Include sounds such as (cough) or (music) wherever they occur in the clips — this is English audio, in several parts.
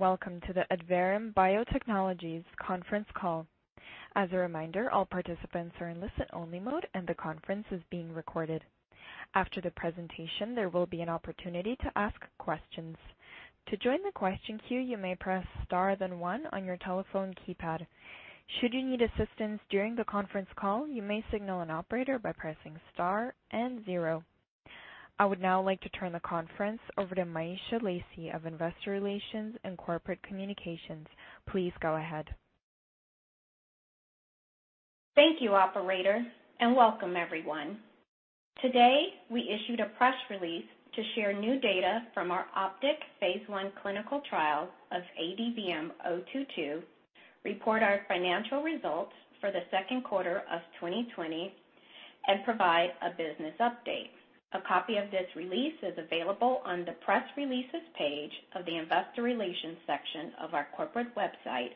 Welcome to the Adverum Biotechnologies conference call. As a reminder, all participants are in listen-only mode, and the conference is being recorded. After the presentation, there will be an opportunity to ask questions. To join the question queue, you may press star then one on your telephone keypad. Should you need assistance during the conference call, you may signal an operator by pressing star and zero. I would now like to turn the conference over to Myesha Lacy of Investor Relations and Corporate Communications. Please go ahead. Thank you, operator. Welcome everyone. Today, we issued a press release to share new data from our OPTIC phase I trial of ADVM-022, report our financial results for the second quarter of 2020, and provide a business update. A copy of this release is available on the Press Releases page of the Investor Relations section of our corporate website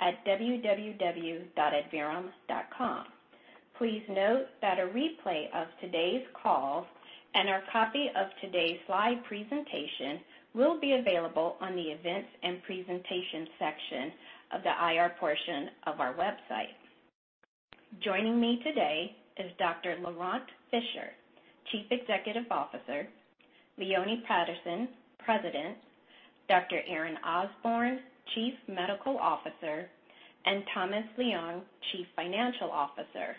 at www.adverum.com. Please note that a replay of today's call and a copy of today's slide presentation will be available on the Events and Presentation section of the IR portion of our website. Joining me today is Dr. Laurent Fischer, Chief Executive Officer, Leone Patterson, President, Dr. Aaron Osborne, Chief Medical Officer, and Thomas Leung, Chief Financial Officer.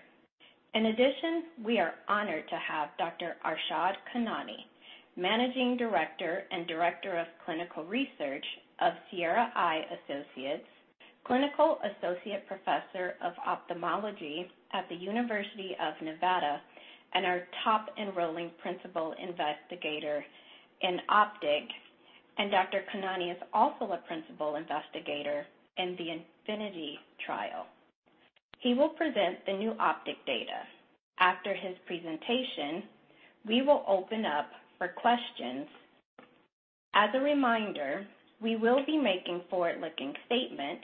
In addition, we are honored to have Dr. Arshad Khanani, Managing Director and Director of Clinical Research of Sierra Eye Associates, Clinical Associate Professor of Ophthalmology at the University of Nevada, and our top enrolling principal investigator in OPTIC. Dr. Khanani is also a principal investigator in the INFINITY trial. He will present the new OPTIC data. After his presentation, we will open up for questions. As a reminder, we will be making forward-looking statements,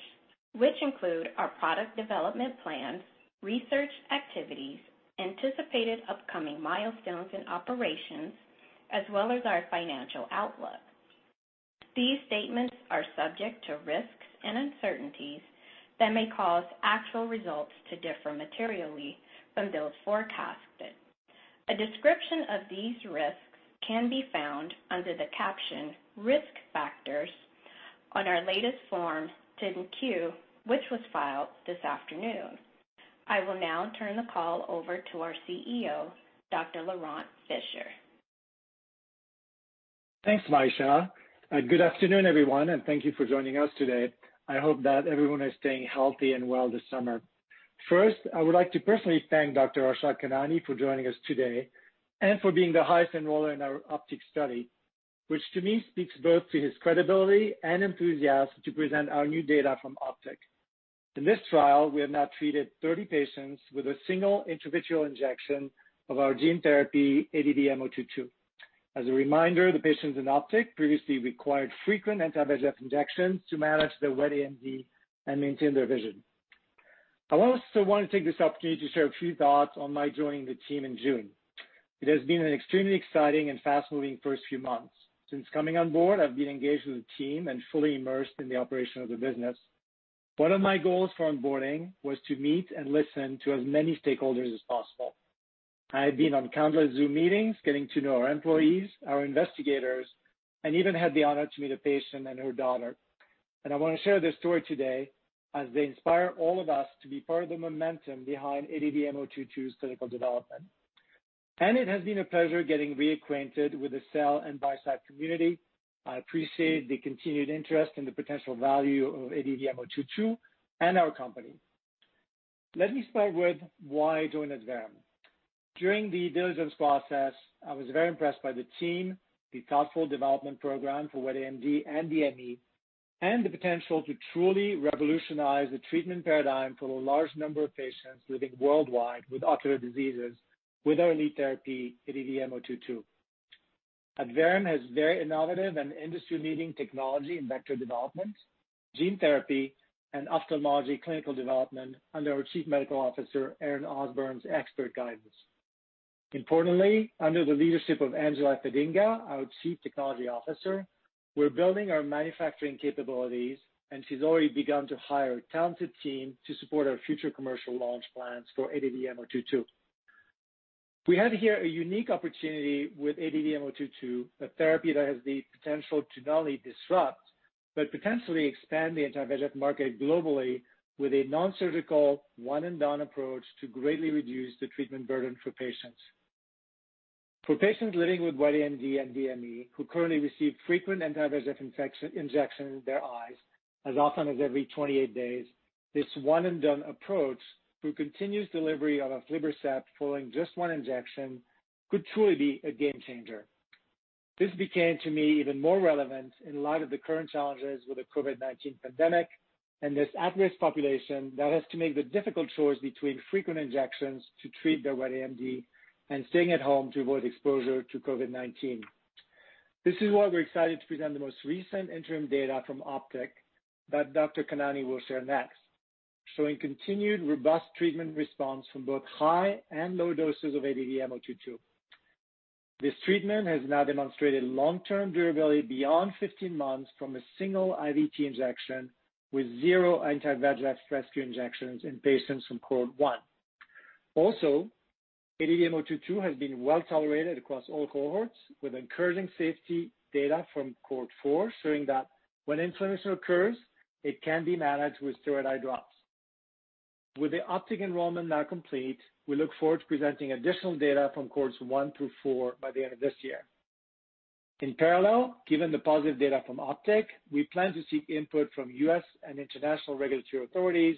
which include our product development plans, research activities, anticipated upcoming milestones and operations, as well as our financial outlook. These statements are subject to risks and uncertainties that may cause actual results to differ materially from those forecasted. A description of these risks can be found under the caption Risk Factors on our latest Form 10-Q, which was filed this afternoon. I will now turn the call over to our CEO, Dr. Laurent Fischer. Thanks, Myesha. Good afternoon, everyone. Thank you for joining us today. I hope that everyone is staying healthy and well this summer. First, I would like to personally thank Dr. Arshad Khanani for joining us today and for being the highest enroller in our OPTIC study, which to me speaks both to his credibility and enthusiasm to present our new data from OPTIC. In this trial, we have now treated 30 patients with a single intravitreal injection of our gene therapy, ADVM-022. As a reminder, the patients in OPTIC previously required frequent anti-VEGF injections to manage their wet AMD and maintain their vision. I also want to take this opportunity to share a few thoughts on my joining the team in June. It has been an extremely exciting and fast-moving first few months. Since coming on board, I've been engaged with the team and fully immersed in the operation of the business. One of my goals for onboarding was to meet and listen to as many stakeholders as possible. I have been on countless Zoom meetings getting to know our employees, our investigators, and even had the honor to meet a patient and her daughter. I want to share their story today as they inspire all of us to be part of the momentum behind ADVM-022's clinical development. It has been a pleasure getting reacquainted with the sell and buy side community. I appreciate the continued interest in the potential value of ADVM-022 and our company. Let me start with why I joined Adverum. During the diligence process, I was very impressed by the team, the thoughtful development program for wet AMD and DME, and the potential to truly revolutionize the treatment paradigm for a large number of patients living worldwide with ocular diseases with our lead therapy, ADVM-022. Adverum has very innovative and industry-leading technology in vector development, gene therapy, and ophthalmology clinical development under our Chief Medical Officer, Aaron Osborne's expert guidance. Importantly, under the leadership of Angela Thedinga, our Chief Technology Officer, we're building our manufacturing capabilities, and she's already begun to hire a talented team to support our future commercial launch plans for ADVM-022. We have here a unique opportunity with ADVM-022, a therapy that has the potential to not only disrupt but potentially expand the anti-VEGF market globally with a non-surgical, one-and-done approach to greatly reduce the treatment burden for patients. For patients living with wet AMD and DME who currently receive frequent anti-VEGF injections in their eyes, as often as every 28 days, this one-and-done approach through continuous delivery of aflibercept following just one injection could truly be a game changer. This became, to me, even more relevant in light of the current challenges with the COVID-19 pandemic and this at-risk population that has to make the difficult choice between frequent injections to treat their wet AMD and staying at home to avoid exposure to COVID-19. This is why we're excited to present the most recent interim data from OPTIC that Dr. Khanani will share next, showing continued robust treatment response from both high and low doses of ADVM-022. This treatment has now demonstrated long-term durability beyond 15 months from a single IVT injection with zero anti-VEGF rescue injections in patients from Cohort 1. Also, ADVM-022 has been well-tolerated across all cohorts, with encouraging safety data from Cohort 4, showing that when inflammation occurs, it can be managed with steroid eye drops. With the OPTIC enrollment now complete, we look forward to presenting additional data from Cohorts 1-4 by the end of this year. In parallel, given the positive data from OPTIC, we plan to seek input from U.S. and international regulatory authorities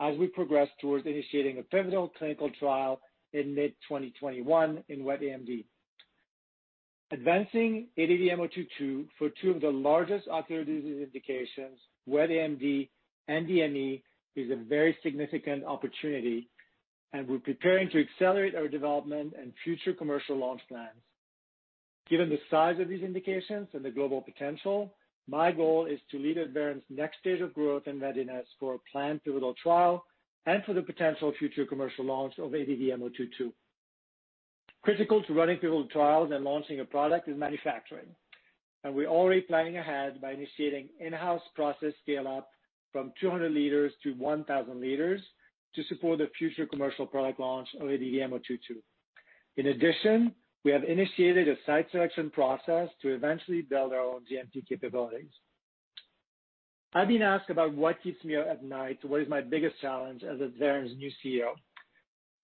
as we progress towards initiating a pivotal clinical trial in mid-2021 in wet AMD. Advancing ADVM-022 for two of the largest ocular disease indications, wet AMD and DME, is a very significant opportunity, and we're preparing to accelerate our development and future commercial launch plans. Given the size of these indications and the global potential, my goal is to lead Adverum's next stage of growth and readiness for a planned pivotal trial and for the potential future commercial launch of ADVM-022. Critical to running pivotal trials and launching a product is manufacturing. We're already planning ahead by initiating in-house process scale-up from 200 L-1,000 L to support the future commercial product launch of ADVM-022. In addition, we have initiated a site selection process to eventually build our own GMP capabilities. I've been asked about what keeps me up at night, what is my biggest challenge as Adverum's new CEO.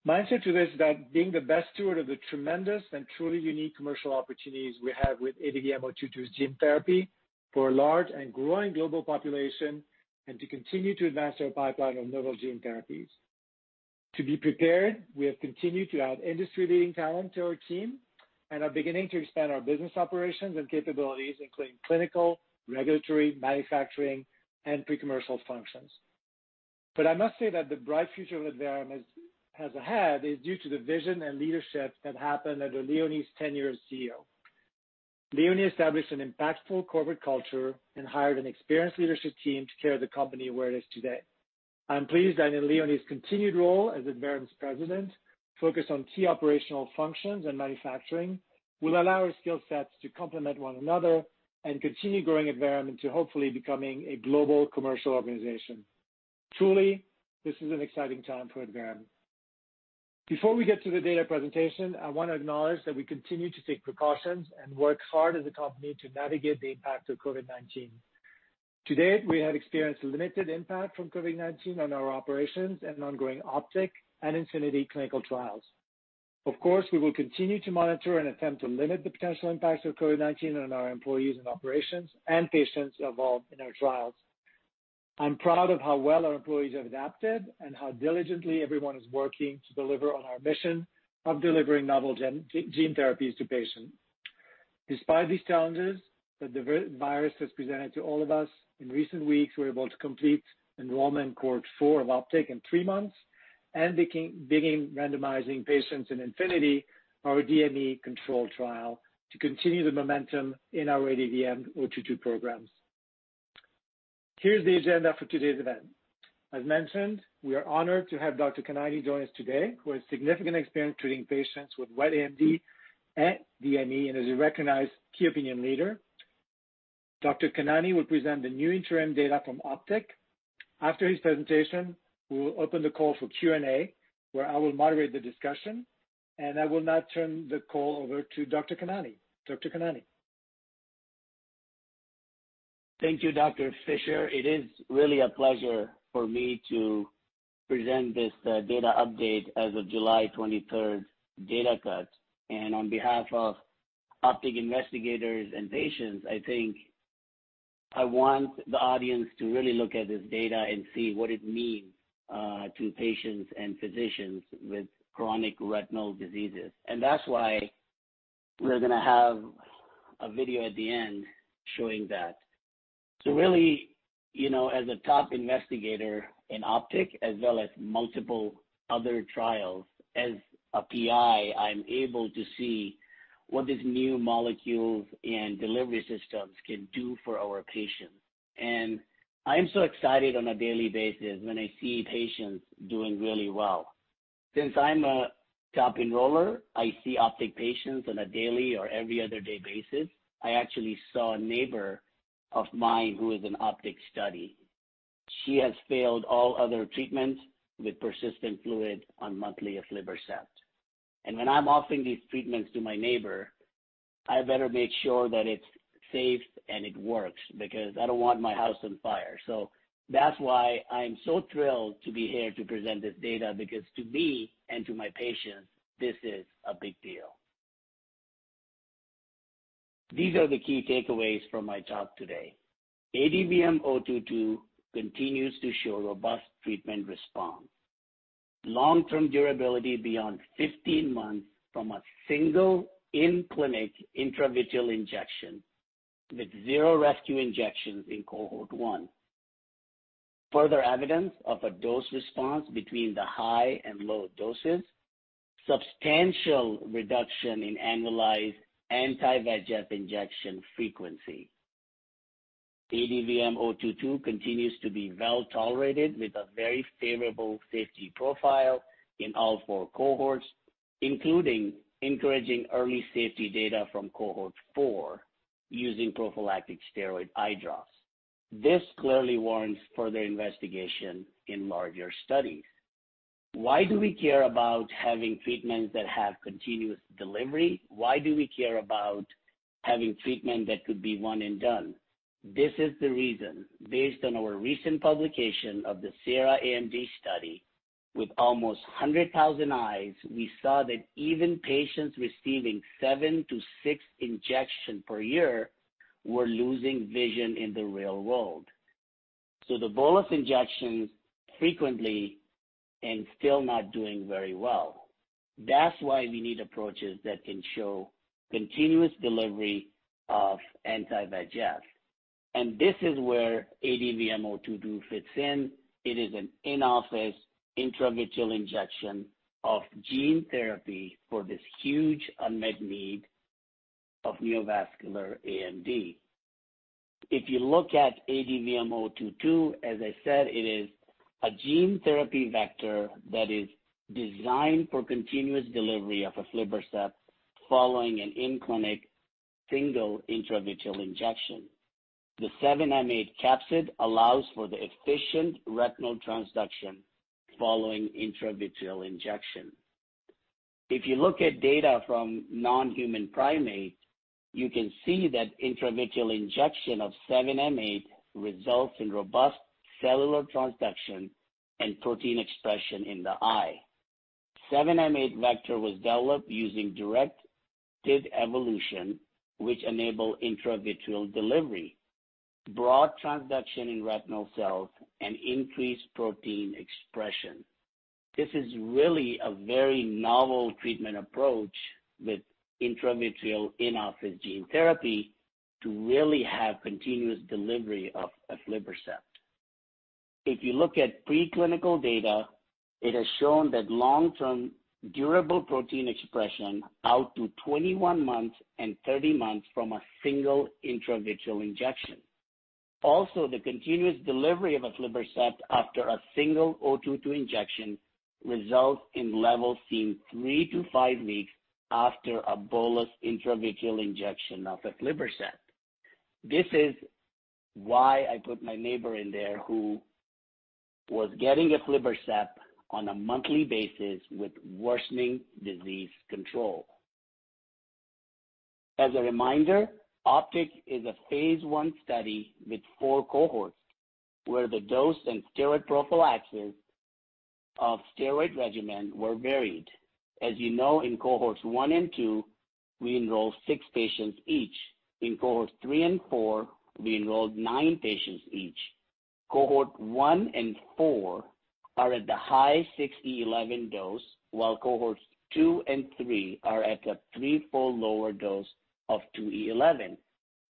My answer to this is that being the best steward of the tremendous and truly unique commercial opportunities we have with ADVM-022's gene therapy for a large and growing global population, and to continue to advance our pipeline of novel gene therapies. To be prepared, we have continued to add industry-leading talent to our team and are beginning to expand our business operations and capabilities, including clinical, regulatory, manufacturing, and pre-commercial functions. I must say that the bright future Adverum has ahead is due to the vision and leadership that happened under Leone's tenure as CEO. Leone established an impactful corporate culture and hired an experienced leadership team to carry the company where it is today. I'm pleased that in Leone's continued role as Adverum's President, focused on key operational functions and manufacturing, will allow our skill sets to complement one another and continue growing Adverum into hopefully becoming a global commercial organization. Truly, this is an exciting time for Adverum. Before we get to the data presentation, I want to acknowledge that we continue to take precautions and work hard as a company to navigate the impact of COVID-19. To date, we have experienced limited impact from COVID-19 on our operations and ongoing OPTIC and INFINITY clinical trials. Of course, we will continue to monitor and attempt to limit the potential impacts of COVID-19 on our employees and operations and patients involved in our trials. I'm proud of how well our employees have adapted and how diligently everyone is working to deliver on our mission of delivering novel gene therapies to patients. Despite these challenges that the virus has presented to all of us, in recent weeks, we were able to complete enrollment Cohort 4 of OPTIC in three months and begin randomizing patients in INFINITY, our DME control trial, to continue the momentum in our ADVM-022 programs. Here's the agenda for today's event. As mentioned, we are honored to have Dr. Khanani join us today, who has significant experience treating patients with wet AMD and DME, and is a recognized key opinion leader. Dr. Khanani will present the new interim data from OPTIC. After his presentation, we will open the call for Q&A, where I will moderate the discussion. I will now turn the call over to Dr. Khanani. Dr. Khanani. Thank you, Dr. Fischer. It is really a pleasure for me to present this data update as of July 23rd data cut. On behalf of OPTIC investigators and patients, I think I want the audience to really look at this data and see what it means to patients and physicians with chronic retinal diseases. That's why we're gonna have a video at the end showing that. Really, as a top investigator in OPTIC as well as multiple other trials, as a PI, I'm able to see what this new molecule and delivery systems can do for our patients. I'm so excited on a daily basis when I see patients doing really well. Since I'm a top enroller, I see OPTIC patients on a daily or every other day basis. I actually saw a neighbor of mine who is in OPTIC study. She has failed all other treatments with persistent fluid on monthly aflibercept. When I'm offering these treatments to my neighbor, I better make sure that it's safe and it works because I don't want my house on fire. That's why I'm so thrilled to be here to present this data, because to me, and to my patients, this is a big deal. These are the key takeaways from my talk today. ADVM-022 continues to show robust treatment response. Long-term durability beyond 15 months from a single in-clinic intravitreal injection with zero rescue injections in Cohort 1. Further evidence of a dose response between the high and low doses. Substantial reduction in annualized anti-VEGF injection frequency. ADVM-022 continues to be well-tolerated with a very favorable safety profile in all four cohorts, including encouraging early safety data from Cohort 4 using prophylactic steroid eye drops. This clearly warrants further investigation in larger studies. Why do we care about having treatments that have continuous delivery? Why do we care about having treatment that could be one and done? This is the reason. Based on our recent publication of the SIERRA-AMD study with almost 100,000 eyes, we saw that even patients receiving 7-6 injection per year were losing vision in the real world. The bolus injections frequently and still not doing very well. That's why we need approaches that can show continuous delivery of anti-VEGF. This is where ADVM-022 fits in. It is an in-office intravitreal injection of gene therapy for this huge unmet need of neovascular AMD. If you look at ADVM-022, as I said, it is a gene therapy vector that is designed for continuous delivery of aflibercept following an in-clinic single intravitreal injection. The 7m8 capsid allows for the efficient retinal transduction following intravitreal injection. If you look at data from non-human primate, you can see that intravitreal injection of 7m8 results in robust cellular transduction and protein expression in the eye. 7m8 vector was developed using directed evolution, which enable intravitreal delivery, broad transduction in retinal cells, and increased protein expression. This is really a very novel treatment approach with intravitreal in-office gene therapy to really have continuous delivery of aflibercept. If you look at preclinical data, it has shown that long-term durable protein expression out to 21 months and 30 months from a single intravitreal injection. Also, the continuous delivery of aflibercept after a single 022 injection results in levels seen 3-5 weeks after a bolus intravitreal injection of aflibercept. This is why I put my neighbor in there who was getting aflibercept on a monthly basis with worsening disease control. As a reminder, OPTIC is a phase I study with 4 cohorts, where the dose and steroid prophylaxis of steroid regimen were varied. As you know, in Cohorts 1 and 2, we enrolled six patients each. In Cohorts 3 and 4, we enrolled nine patients each. Cohort 1 and 4 are at the high 6E11 dose, while Cohorts 2 and 3 are at the threefold lower dose of 2E11.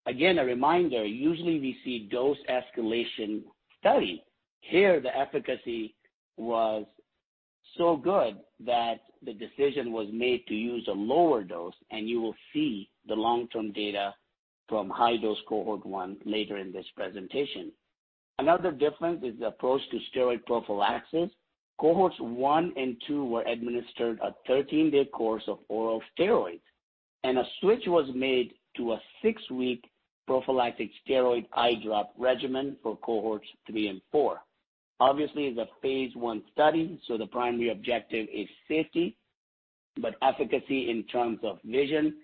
Again, a reminder, usually we see dose escalation study. Here, the efficacy was so good that the decision was made to use a lower dose, and you will see the long-term data from high dose Cohort 1 later in this presentation. Another difference is the approach to steroid prophylaxis. Cohorts 1 and 2 were administered a 13-day course of oral steroids, a switch was made to a six-week prophylactic steroid eye drop regimen for Cohorts 3 and 4. Obviously, it's a phase I study, the primary objective is safety, efficacy in terms of vision,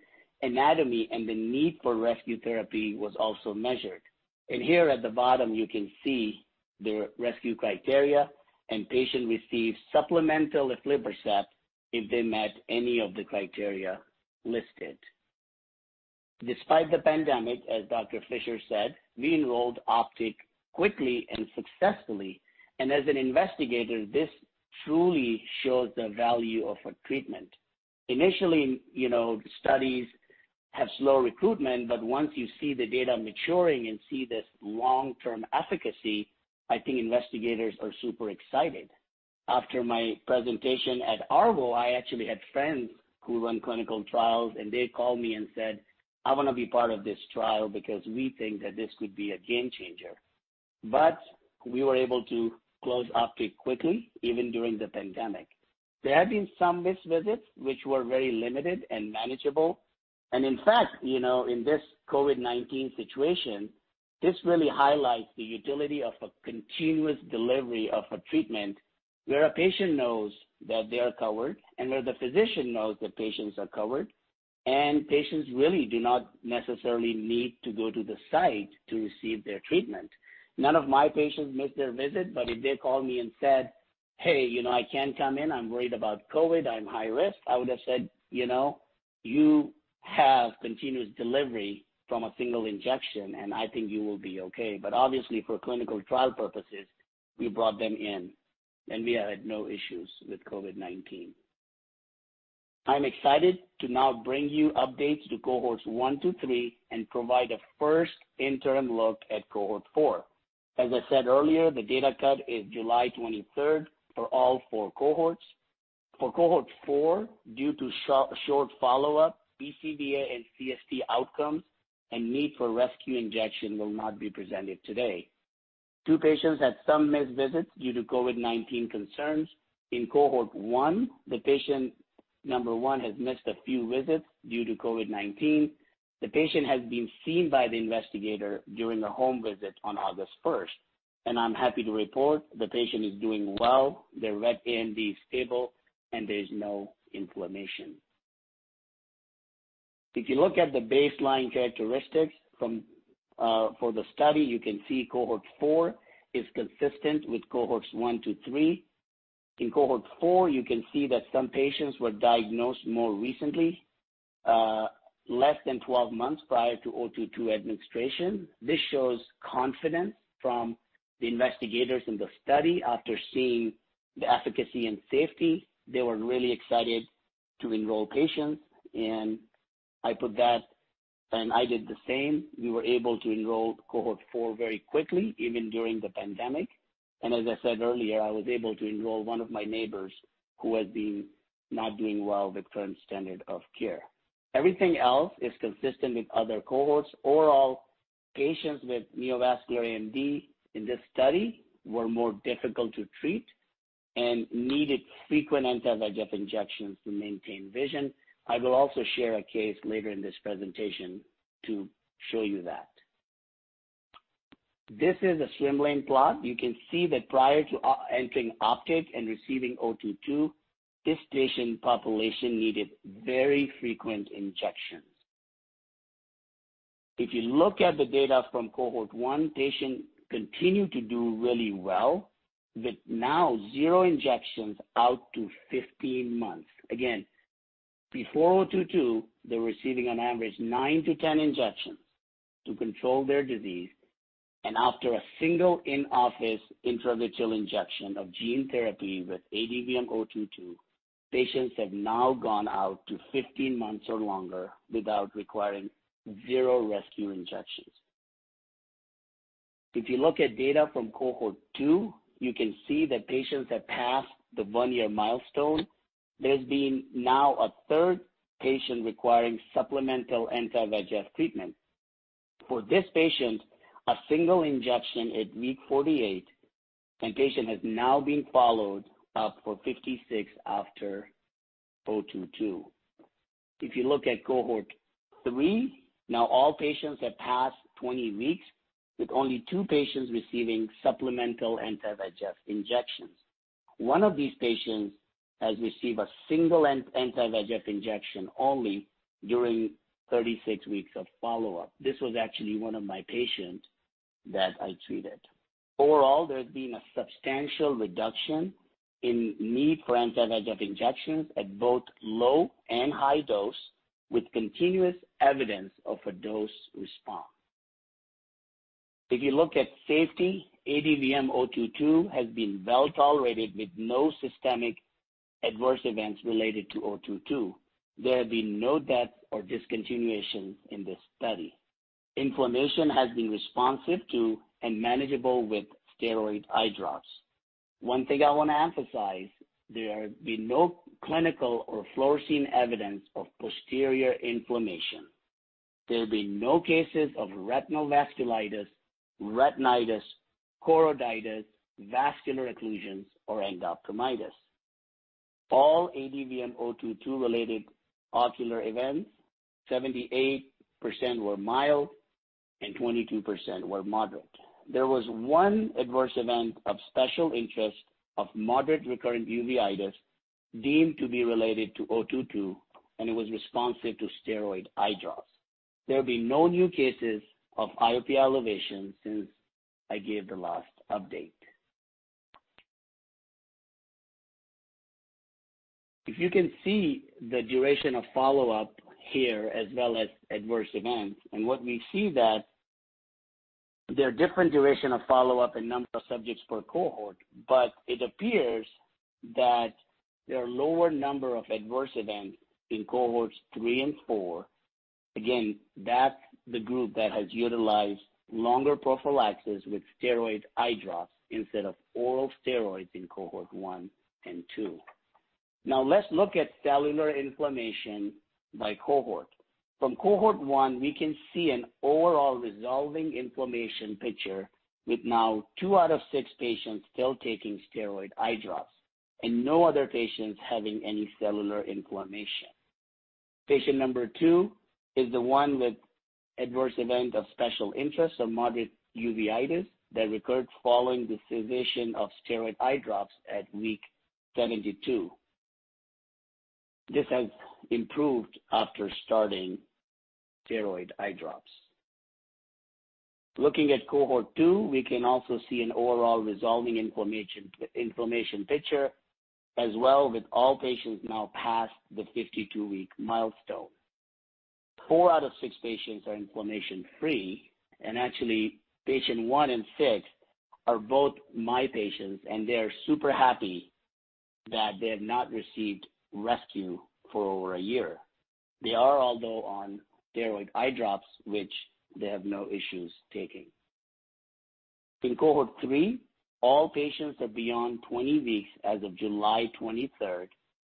anatomy, and the need for rescue therapy was also measured. Here at the bottom, you can see the rescue criteria and patient received supplemental aflibercept if they met any of the criteria listed. Despite the pandemic, as Dr. Fischer said, we enrolled OPTIC quickly and successfully. As an investigator, this truly shows the value of a treatment. Initially, studies have slow recruitment, once you see the data maturing and see this long-term efficacy, I think investigators are super excited. After my presentation at ARVO, I actually had friends who run clinical trials, and they called me and said, "I want to be part of this trial because we think that this could be a game changer." But we were able to close OPTIC quickly, even during the pandemic. There have been some missed visits, which were very limited and manageable. In fact, in this COVID-19 situation, this really highlights the utility of a continuous delivery of a treatment where a patient knows that they are covered and where the physician knows the patients are covered, and patients really do not necessarily need to go to the site to receive their treatment. None of my patients missed their visit, but if they called me and said, "Hey, I can't come in. I'm worried about COVID. I'm high risk." I would have said, "You have continuous delivery from a single injection, and I think you will be okay." Obviously, for clinical trial purposes, we brought them in, and we had no issues with COVID-19. I'm excited to now bring you updates to Cohorts 1-3 and provide a first interim look at Cohort 4. As I said earlier, the data cut is July 23rd for all four cohorts. For Cohort 4, due to short follow-up, BCVA and CST outcomes and need for rescue injection will not be presented today. Two patients had some missed visits due to COVID-19 concerns. In Cohort 1, the patient number one has missed a few visits due to COVID-19. The patient has been seen by the investigator during a home visit on August 1st, and I'm happy to report the patient is doing well. Their wet AMD is stable, and there's no inflammation. If you look at the baseline characteristics for the study, you can see Cohort 4 is consistent with Cohorts 1-3. In Cohort 4, you can see that some patients were diagnosed more recently, less than 12 months prior to 022 administration. This shows confidence from the investigators in the study after seeing the efficacy and safety. They were really excited to enroll patients, and I did the same. We were able to enroll Cohort 4 very quickly, even during the pandemic. And as I said earlier, I was able to enroll one of my neighbors who had been not doing well with current standard of care. Everything else is consistent with other cohorts. Overall, patients with neovascular AMD in this study were more difficult to treat and needed frequent anti-VEGF injections to maintain vision. I will also share a case later in this presentation to show you that. This is a swimmer plot. You can see that prior to entering OPTIC and receiving 022, this patient population needed very frequent injections. If you look at the data from Cohort 1, patients continue to do really well, with now zero injections out to 15 months. Again, before 022, they were receiving on average 9-10 injections to control their disease. After a single in-office intravitreal injection of gene therapy with ADVM-022, patients have now gone out to 15 months or longer without requiring zero rescue injections. If you look at data from Cohort 2, you can see that patients have passed the one-year milestone. There's been now a third patient requiring supplemental anti-VEGF treatment. For this patient, a single injection at week 48, and patient has now been followed up for 56 after 022. If you look at Cohort 3, now all patients have passed 20 weeks, with only two patients receiving supplemental anti-VEGF injections. One of these patients has received a single anti-VEGF injection only during 36 weeks of follow-up. This was actually one of my patients that I treated. Overall, there's been a substantial reduction in need for anti-VEGF injections at both low and high dose, with continuous evidence of a dose response. If you look at safety, ADVM-022 has been well-tolerated with no systemic adverse events related to 022. There have been no deaths or discontinuations in this study. Inflammation has been responsive to and manageable with steroid eye drops. One thing I want to emphasize, there have been no clinical or fluorescein evidence of posterior inflammation. There have been no cases of retinal vasculitis, retinitis, choroiditis, vascular occlusions, or endophthalmitis. All ADVM-022 related ocular events, 78% were mild and 22% were moderate. There was one adverse event of special interest of moderate recurrent uveitis deemed to be related to 022, and it was responsive to steroid eye drops. There have been no new cases of IOP elevation since I gave the last update. If you can see the duration of follow-up here, as well as adverse events, and what we see that there are different duration of follow-up and number of subjects per cohort, but it appears that there are lower number of adverse events in Cohorts 3 and 4. Again, that's the group that has utilized longer prophylaxis with steroid eye drops instead of oral steroids in Cohort 1 and 2. Now let's look at cellular inflammation by cohort. From Cohort 1, we can see an overall resolving inflammation picture, with now two out of six patients still taking steroid eye drops and no other patients having any cellular inflammation. Patient number two is the one with adverse event of special interest, a moderate uveitis that recurred following the cessation of steroid eye drops at week 72. This has improved after starting steroid eye drops. Looking at Cohort 2, we can also see an overall resolving inflammation picture as well, with all patients now past the 52-week milestone. Four out of six patients are inflammation-free, and actually, patient one and six are both my patients, and they are super happy that they have not received rescue for over a year. They are, although, on steroid eye drops, which they have no issues taking. In Cohort 3, all patients are beyond 20 weeks as of July 23rd.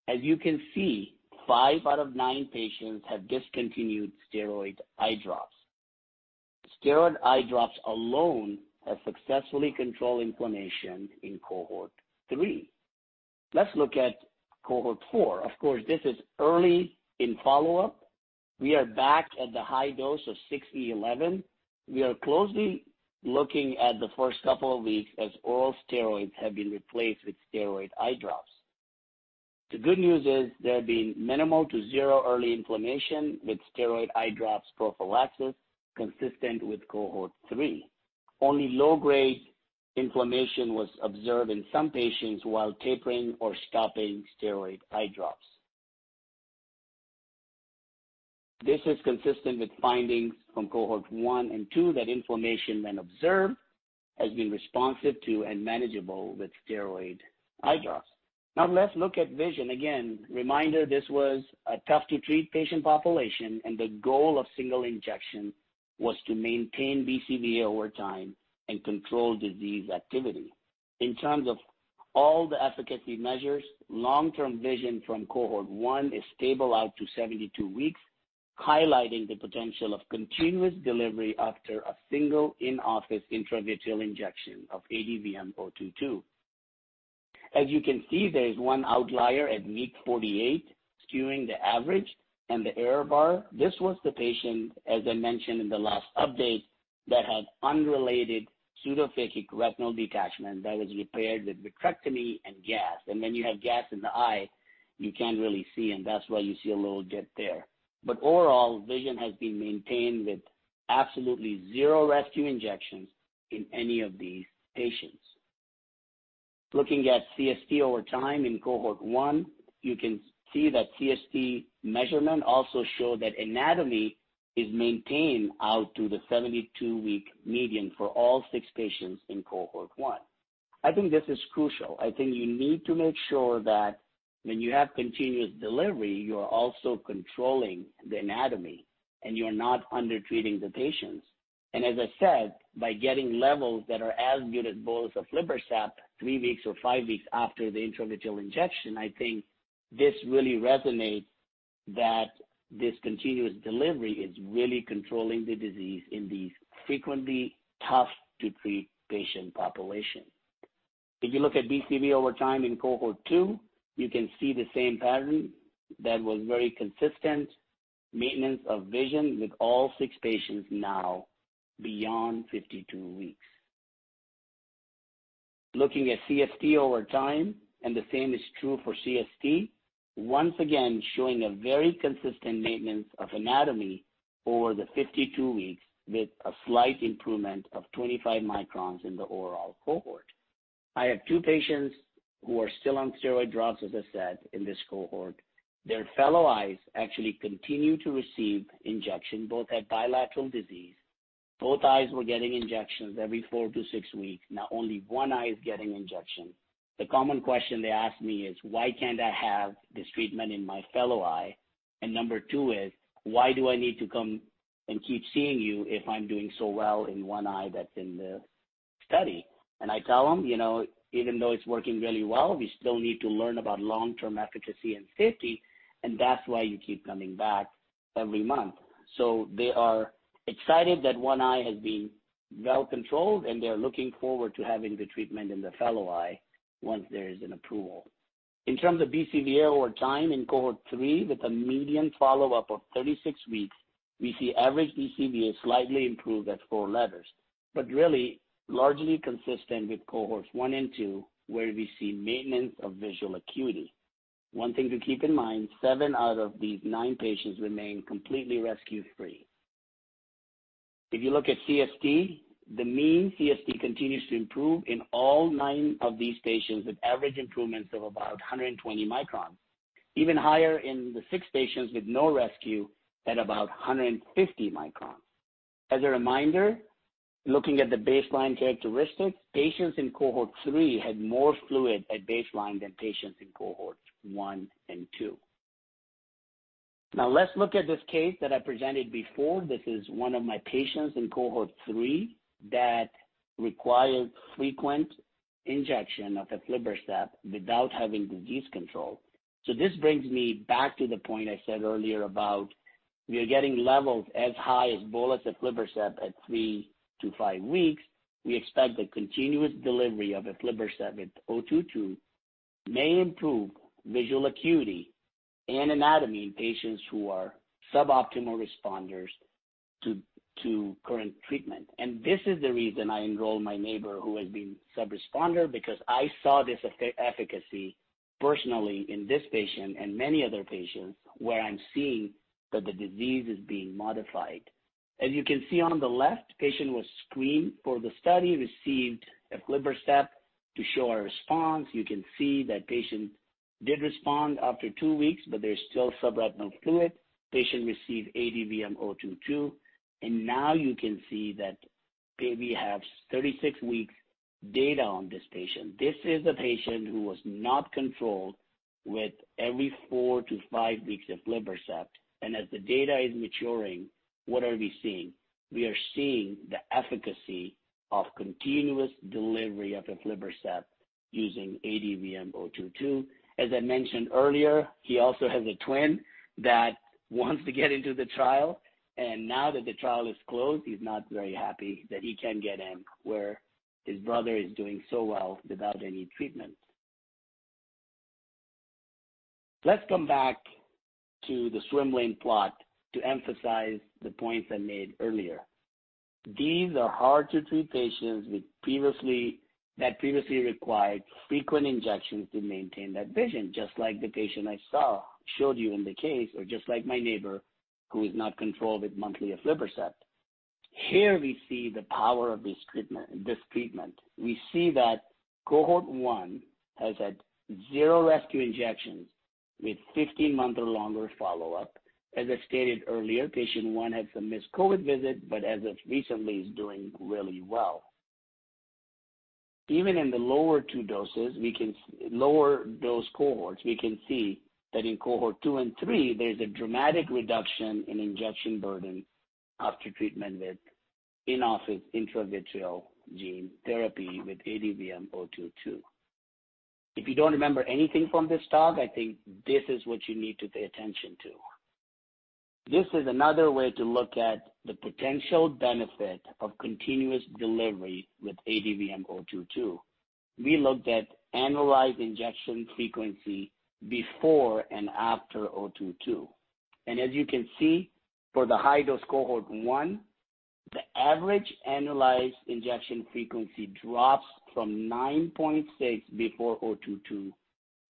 As you can see, five out of nine patients have discontinued steroid eye drops. Steroid eye drops alone have successfully controlled inflammation in Cohort 3. Let's look at Cohort 4. Of course, this is early in follow-up. We are back at the high dose of 60E11. We are closely looking at the first couple of weeks as oral steroids have been replaced with steroid eye drops. The good news is there have been minimal to zero early inflammation with steroid eye drops prophylaxis consistent with Cohort 3. Only low-grade inflammation was observed in some patients while tapering or stopping steroid eye drops. This is consistent with findings from Cohort 1 and 2 that inflammation, when observed, has been responsive to and manageable with steroid eye drops. Now let's look at vision. Again, reminder, this was a tough to treat patient population and the goal of single injection was to maintain BCVA over time and control disease activity. In terms of all the efficacy measures, long-term vision from Cohort 1 is stable out to 72 weeks, highlighting the potential of continuous delivery after a single in-office intravitreal injection of ADVM-022. As you can see, there is one outlier at week 48, skewing the average and the error bar. This was the patient, as I mentioned in the last update, that had unrelated pseudophakic retinal detachment that was repaired with vitrectomy and gas. When you have gas in the eye, you can't really see, and that's why you see a little dip there. Overall, vision has been maintained with absolutely zero rescue injections in any of these patients. Looking at CST over time in Cohort 1, you can see that CST measurement also showed that anatomy is maintained out to the 72 week median for all six patients in Cohort 1. I think this is crucial. I think you need to make sure that when you have continuous delivery, you are also controlling the anatomy and you're not under-treating the patients. And as I said, by getting levels that are as good as bolus aflibercept three weeks or five weeks after the intravitreal injection, I think this really resonates that this continuous delivery is really controlling the disease in these frequently tough to treat patient population. If you look at BCVA over time in Cohort 2, you can see the same pattern that was very consistent, maintenance of vision with all six patients now beyond 52 weeks. Looking at CST over time, and the same is true for CST, once again, showing a very consistent maintenance of anatomy over the 52 weeks with a slight improvement of 25 microns in the overall cohort. I have two patients who are still on steroid drops, as I said, in this cohort. Their fellow eyes actually continue to receive injection. Both had bilateral disease. Both eyes were getting injections every 4-6 weeks. Now only one eye is getting injection. The common question they ask me is, "Why can't I have this treatment in my fellow eye?" Number two is, "Why do I need to come and keep seeing you if I'm doing so well in one eye that's in the study?" I tell them, even though it's working really well, we still need to learn about long-term efficacy and safety, and that's why you keep coming back every month. They are excited that one eye has been well controlled, and they are looking forward to having the treatment in the fellow eye once there is an approval. In terms of BCVA or time in Cohort 3 with a median follow-up of 36 weeks, we see average BCVA slightly improved at four letters, but really largely consistent with Cohorts 1 and 2 where we see maintenance of visual acuity. One thing to keep in mind, seven out of these nine patients remain completely rescue-free. If you look at CST, the mean CST continues to improve in all nine of these patients with average improvements of about 120 microns, even higher in the six patients with no rescue at about 150 microns. As a reminder, looking at the baseline characteristics, patients in Cohort 3 had more fluid at baseline than patients in Cohorts 1 and 2. Now let's look at this case that I presented before. This is one of my patients in Cohort 3 that required frequent injection of aflibercept without having disease control. This brings me back to the point I said earlier about we are getting levels as high as bolus aflibercept at 3-5 weeks. We expect the continuous delivery of aflibercept with ADVM-022 may improve visual acuity and anatomy in patients who are suboptimal responders to current treatment. This is the reason I enrolled my neighbor who has been subresponder, because I saw this efficacy personally in this patient and many other patients, where I'm seeing that the disease is being modified. As you can see on the left, patient was screened for the study, received aflibercept to show a response. You can see that patient did respond after two weeks, but there's still subretinal fluid. Patient received ADVM-022, and now you can see that we have 36 weeks data on this patient. This is a patient who was not controlled with every 4-5 weeks of aflibercept. As the data is maturing, what are we seeing? We are seeing the efficacy of continuous delivery of aflibercept using ADVM-022. As I mentioned earlier, he also has a twin that wants to get into the trial. And now that the trial is closed, he's not very happy that he can't get in, where his brother is doing so well without any treatment. Let's come back to the swim lane plot to emphasize the points I made earlier. These are hard-to-treat patients that previously required frequent injections to maintain that vision, just like the patient I showed you in the case, or just like my neighbor, who is not controlled with monthly aflibercept. Here we see the power of this treatment. We see that Cohort 1 has had zero rescue injections with 15-month or longer follow-up. As I stated earlier, patient one had some missed COVID visit, but as of recently, is doing really well. Even in the lower two dose cohorts, we can see that in Cohort 2 and 3, there's a dramatic reduction in injection burden after treatment with in-office intravitreal gene therapy with ADVM-022. If you don't remember anything from this talk, I think this is what you need to pay attention to. This is another way to look at the potential benefit of continuous delivery with ADVM-022. We looked at annualized injection frequency before and after 022. As you can see, for the high-dose Cohort 1, the average annualized injection frequency drops from 9.6 before 022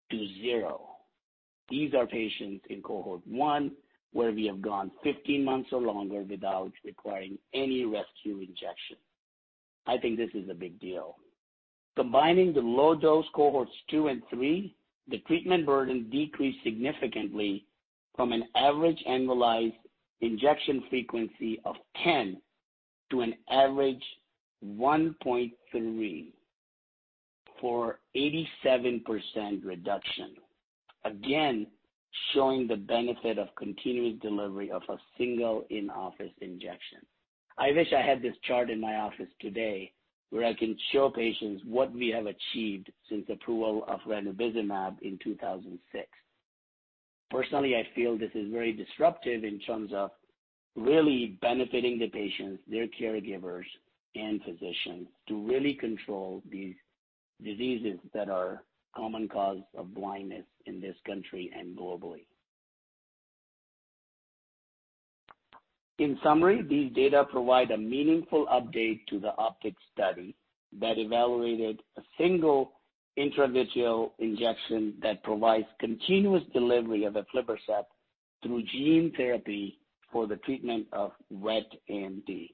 to zero. These are patients in Cohort 1, where we have gone 15 months or longer without requiring any rescue injection. I think this is a big deal. Combining the low-dose Cohorts 2 and 3, the treatment burden decreased significantly from an average annualized injection frequency of 10 to an average 1.3, for 87% reduction. Again, showing the benefit of continuous delivery of a single in-office injection. I wish I had this chart in my office today, where I can show patients what we have achieved since approval of ranibizumab in 2006. Personally, I feel this is very disruptive in terms of really benefiting the patients, their caregivers, and physicians to really control these diseases that are common cause of blindness in this country and globally. In summary, these data provide a meaningful update to the OPTIC study that evaluated a single intravitreal injection that provides continuous delivery of aflibercept through gene therapy for the treatment of wet AMD.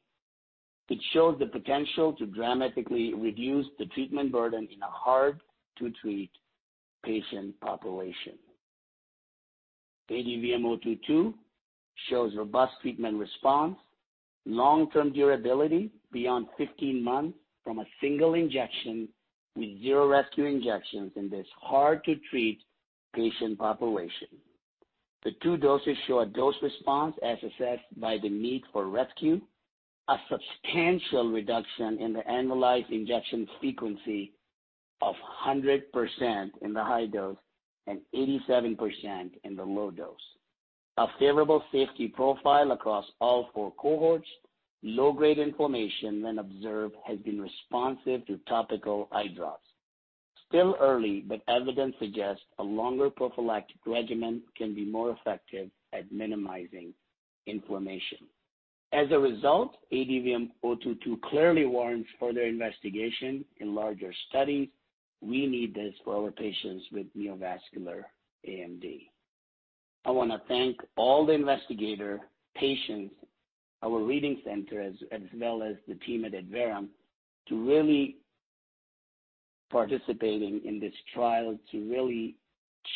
It shows the potential to dramatically reduce the treatment burden in a hard-to-treat patient population. ADVM-022 shows robust treatment response, long-term durability beyond 15 months from a single injection with zero rescue injections in this hard-to-treat patient population. The two doses show a dose response, as assessed by the need for rescue, a substantial reduction in the annualized injection frequency of 100% in the high dose and 87% in the low dose. A favorable safety profile across all four cohorts. Low-grade inflammation, when observed, has been responsive to topical eye drops. Still early, but evidence suggests a longer prophylactic regimen can be more effective at minimizing inflammation. As a result, ADVM-022 clearly warrants further investigation in larger studies. We need this for our patients with neovascular AMD. I want to thank all the investigator patients, our reading centers, as well as the team at Adverum, to really participating in this trial to really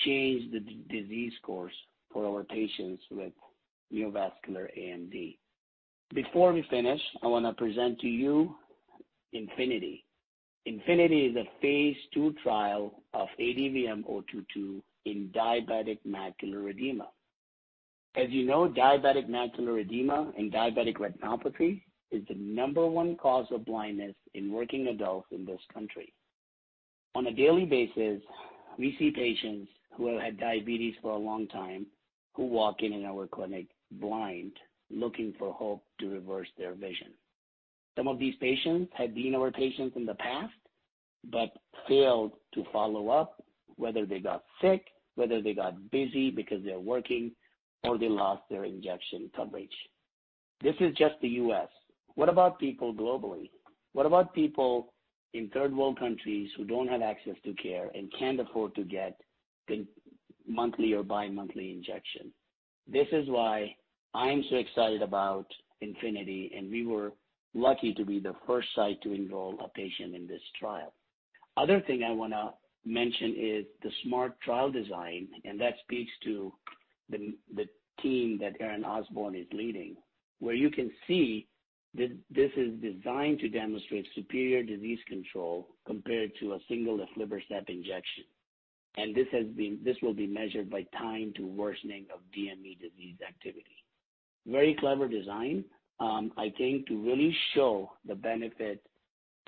change the disease course for our patients with neovascular AMD. Before we finish, I want to present to you INFINITY. INFINITY is a phase II trial of ADVM-022 in diabetic macular edema. As you know, diabetic macular edema and diabetic retinopathy is the number one cause of blindness in working adults in this country. On a daily basis, we see patients who have had diabetes for a long time, who walk in in our clinic blind, looking for hope to reverse their vision. Some of these patients had been our patients in the past but failed to follow up, whether they got sick, whether they got busy because they're working, or they lost their injection coverage. This is just the U.S. What about people globally? What about people in third world countries who don't have access to care and can't afford to get the monthly or bi-monthly injection? This is why I'm so excited about INFINITY, and we were lucky to be the first site to enroll a patient in this trial. Other thing I want to mention is the SMART trial design, and that speaks to the team that Aaron Osborne is leading, where you can see that this is designed to demonstrate superior disease control compared to a single aflibercept injection. This will be measured by time to worsening of DME disease activity. Very clever design, I think, to really show the benefit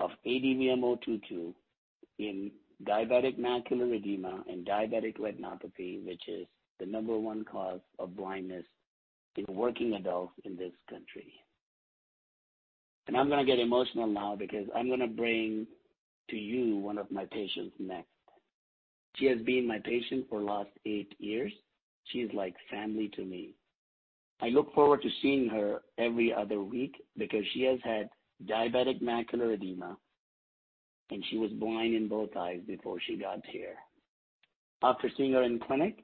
of ADVM-022 in diabetic macular edema and diabetic retinopathy, which is the number one cause of blindness in working adults in this country. I'm going to get emotional now because I'm going to bring to you one of my patients next. She has been my patient for last eight years. She's like family to me. I look forward to seeing her every other week because she has had diabetic macular edema, and she was blind in both eyes before she got here. After seeing her in clinic,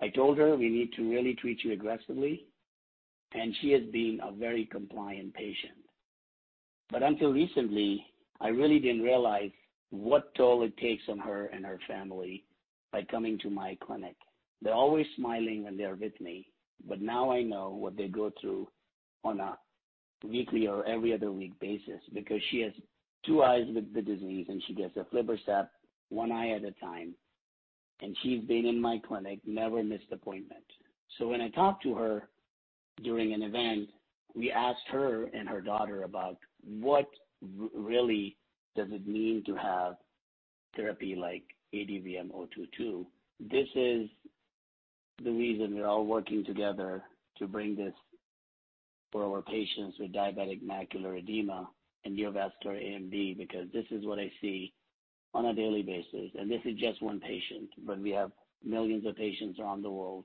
I told her, "We need to really treat you aggressively." She has been a very compliant patient. Until recently, I really didn't realize what toll it takes on her and her family by coming to my clinic. They're always smiling when they're with me, but now I know what they go through on a weekly or every other week basis because she has two eyes with the disease, and she gets aflibercept one eye at a time. She's been in my clinic, never missed appointment. When I talked to her during an event, we asked her and her daughter about what really does it mean to have therapy like ADVM-022. This is the reason we're all working together to bring this for our patients with diabetic macular edema and neovascular AMD, because this is what I see on a daily basis. This is just one patient, but we have millions of patients around the world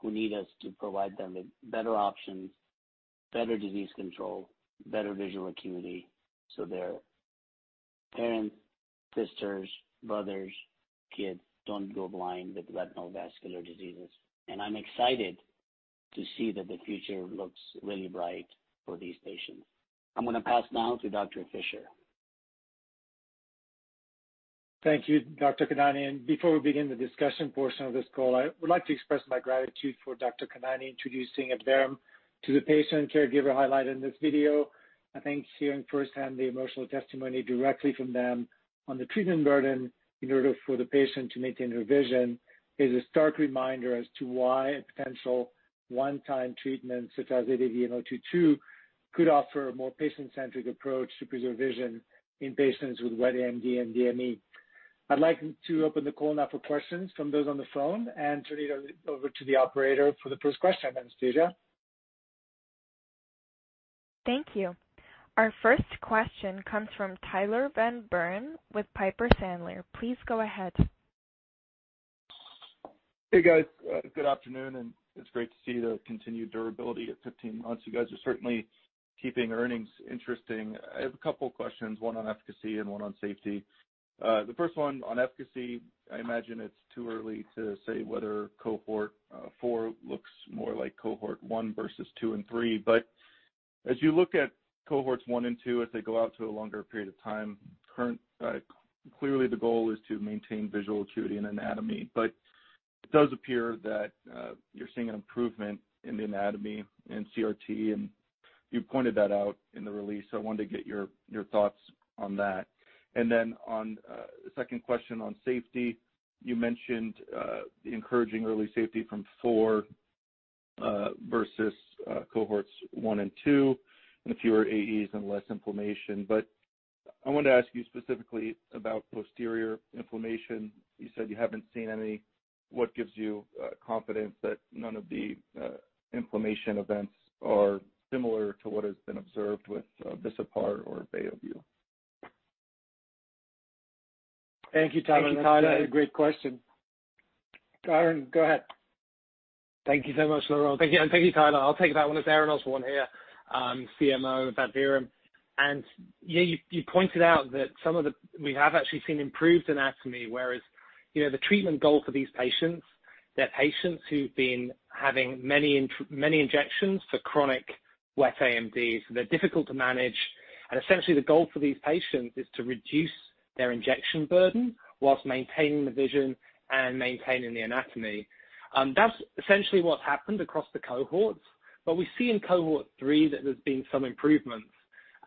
who need us to provide them with better options, better disease control, better visual acuity, so their parents, sisters, brothers, kids don't go blind with retinal vascular diseases. I'm excited to see that the future looks really bright for these patients. I'm going to pass now to Dr. Fischer. Thank you, Dr. Khanani. Before we begin the discussion portion of this call, I would like to express my gratitude for Dr. Khanani introducing Adverum to the patient and caregiver highlighted in this video. I think hearing firsthand the emotional testimony directly from them on the treatment burden in order for the patient to maintain her vision is a stark reminder as to why a potential one-time treatment such as ADVM-022 could offer a more patient-centric approach to preserve vision in patients with wet AMD and DME. I'd like to open the call now for questions from those on the phone and turn it over to the operator for the first question. Anastasia? Thank you. Our first question comes from Tyler Van Buren with Piper Sandler. Please go ahead. Hey, guys. Good afternoon, and it's great to see the continued durability at 15 months. You guys are certainly keeping earnings interesting. I have a couple questions, one on efficacy and one on safety. The first one on efficacy, I imagine it's too early to say whether Cohort 4 looks more like Cohort 1 versus 2 and 3. As you look at Cohorts 1 and 2 as they go out to a longer period of time, clearly the goal is to maintain visual acuity and anatomy. It does appear that you're seeing an improvement in the anatomy and CRT, and you pointed that out in the release. I wanted to get your thoughts on that. Then on second question on safety, you mentioned encouraging early safety from four versus Cohorts 1 and 2, and fewer AEs and less inflammation. I wanted to ask you specifically about posterior inflammation. You said you haven't seen any. What gives you confidence that none of the inflammation events are similar to what has been observed with Visudyne or Beovu? Thank you, Tyler. Thank you, Tyler. Great question. Aaron, go ahead. Thank you so much, Laurent. Thank you, Tyler. I'll take that one. It's Aaron Osborne here, CMO of Adverum. Yeah, you pointed out that we have actually seen improved anatomy, whereas the treatment goal for these patients, they're patients who've been having many injections for chronic wet AMD, so they're difficult to manage. Essentially, the goal for these patients is to reduce their injection burden while maintaining the vision and maintaining the anatomy. That's essentially what's happened across the cohorts. We see in Cohort 3 that there's been some improvements,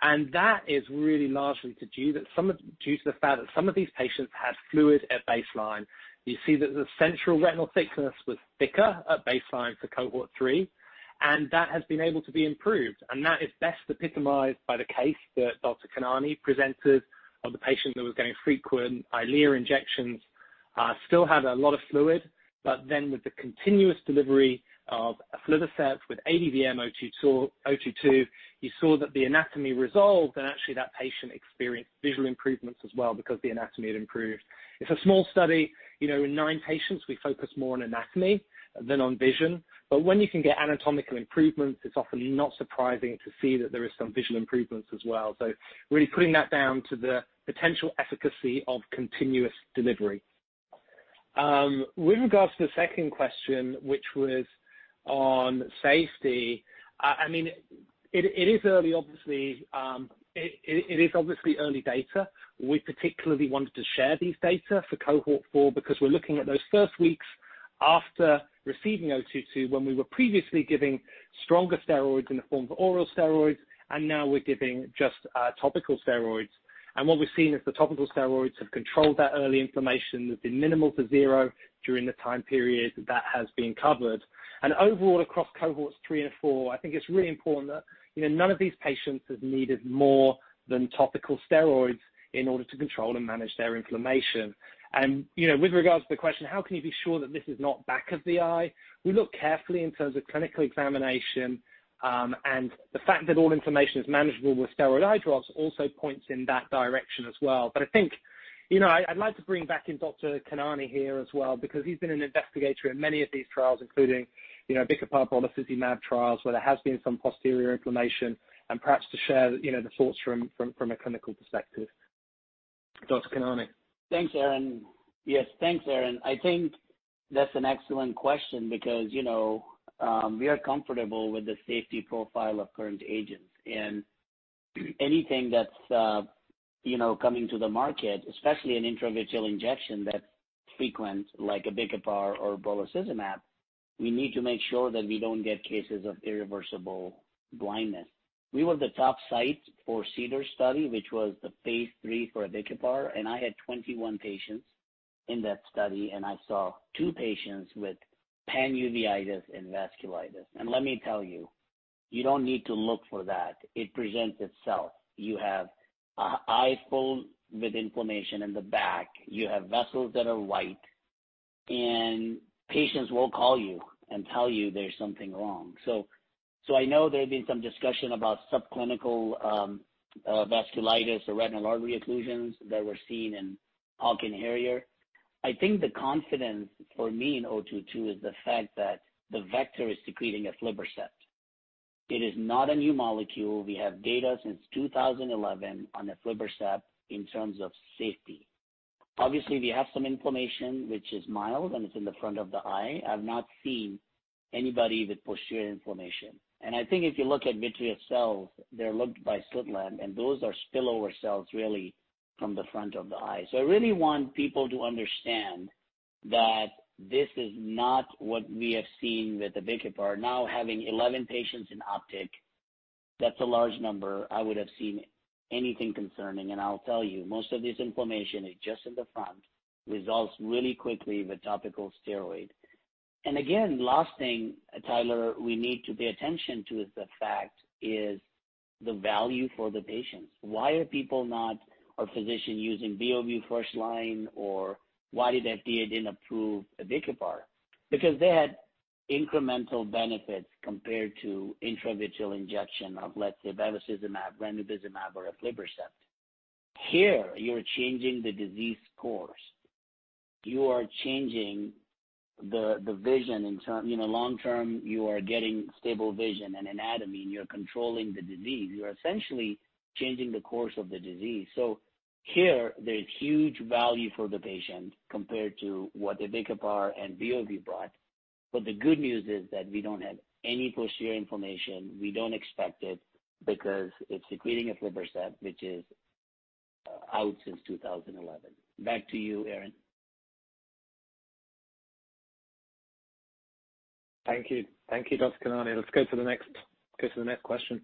and that is really largely due to the fact that some of these patients had fluid at baseline. You see that the central retinal thickness was thicker at baseline for Cohort 3, and that has been able to be improved. And that is best epitomized by the case that Dr. Khanani presented of the patient who was getting frequent EYLEA injections, still had a lot of fluid. With the continuous delivery of aflibercept with ADVM-022, you saw that the anatomy resolved, and actually that patient experienced visual improvements as well because the anatomy had improved. It's a small study. In nine patients, we focus more on anatomy than on vision. When you can get anatomical improvements, it's often not surprising to see that there is some visual improvements as well. Really putting that down to the potential efficacy of continuous delivery. With regards to the second question, which was on safety, it is obviously early data. We particularly wanted to share these data for Cohort 4 because we're looking at those first weeks after receiving 022, when we were previously giving stronger steroids in the form of oral steroids, and now we're giving just topical steroids. What we've seen is the topical steroids have controlled that early inflammation, that's been minimal to zero during the time period that has been covered. Overall, across Cohorts 3 and 4, I think it's really important that none of these patients has needed more than topical steroids in order to control and manage their inflammation. With regards to the question, how can you be sure that this is not back of the eye? We look carefully in terms of clinical examination, and the fact that all inflammation is manageable with steroid eye drops also points in that direction as well. I think I'd like to bring back in Dr. Khanani here as well, because he's been an investigator in many of these trials, including brolucizumab, volociximab trials, where there has been some posterior inflammation, and perhaps to share the thoughts from a clinical perspective. Dr. Khanani. Thanks, Aaron. Yes, thanks, Aaron. I think that's an excellent question because we are comfortable with the safety profile of current agents. Anything that's coming to the market, especially an intravitreal injection that's frequent, like abicipar or volociximab, we need to make sure that we don't get cases of irreversible blindness. We were the top site for CEDAR study, which was the phase III for abicipar, and I had 21 patients in that study, and I saw two patients with panuveitis and vasculitis. Let me tell you don't need to look for that. It presents itself. You have an eye full with inflammation in the back. You have vessels that are white, and patients will call you and tell you there's something wrong. I know there's been some discussion about subclinical vasculitis or retinal artery occlusions that were seen in HAWK and HARRIER. I think the confidence for me in 022 is the fact that the vector is secreting aflibercept. It is not a new molecule. We have data since 2011 on aflibercept in terms of safety. Obviously, we have some inflammation, which is mild, and it's in the front of the eye. I've not seen anybody with posterior inflammation. I think if you look at vitreous cells, they're looked by slit lamp, and those are spillover cells really from the front of the eye. I really want people to understand that this is not what we have seen with abicipar. Now, having 11 patients in OPTIC, that's a large number. I would have seen anything concerning, and I'll tell you, most of this inflammation is just in the front, resolves really quickly with topical steroid. And Again, last thing, Tyler, we need to pay attention to is the fact is the value for the patients. Why are people not, or physician using Beovu first line, or why did FDA didn't approve abicipar? Because they had incremental benefits compared to intravitreal injection of, let's say, bevacizumab, ranibizumab, or aflibercept. Here, you're changing the disease course. You are changing the vision. Long-term, you are getting stable vision and anatomy, and you're controlling the disease. You're essentially changing the course of the disease. here, there's huge value for the patient compared to what abicipar and Beovu brought. the good news is that we don't have any posterior inflammation. We don't expect it because it's secreting aflibercept, which is out since 2011. Back to you, Aaron. Thank you. Thank you, Dr. Khanani. Let's go to the next question.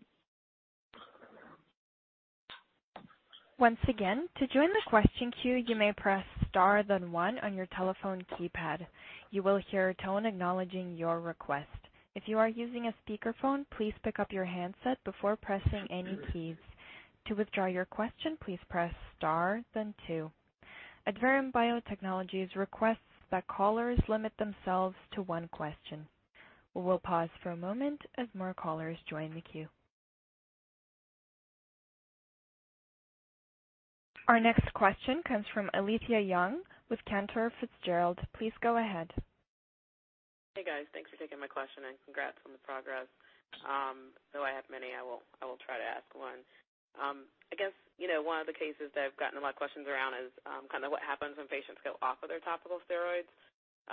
Once again, to join the question queue, you may press star then one on your telephone keypad. You will hear a tone acknowledging your request. If you are using a speakerphone, please pick up your handset before pressing any keys. To withdraw your question, please press star then two. Adverum Biotechnologies requests that callers limit themselves to one question. We will pause for a moment as more callers join the queue. Our next question comes from Alethia Young with Cantor Fitzgerald. Please go ahead. Hey, guys. Thanks for taking my question, and congrats on the progress. Though I have many, I will try to ask one. I guess, one of the cases that I've gotten a lot of questions around is, what happens when patients go off of their topical steroids.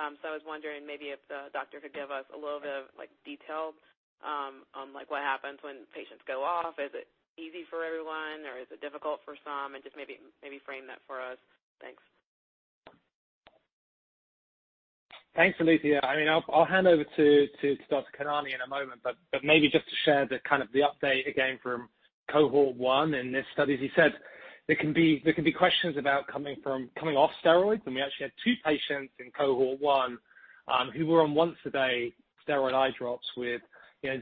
I was wondering maybe if the doctor could give us a little bit of details on what happens when patients go off. Is it easy for everyone, or is it difficult for some? Just maybe frame that for us. Thanks. Thanks, Alethia. I'll hand over to Dr. Khanani in a moment, but maybe just to share the update again from Cohort 1 in this study. As he said, there can be questions about coming off steroids, and we actually had two patients in Cohort 1 who were on once-a-day steroid eye drops with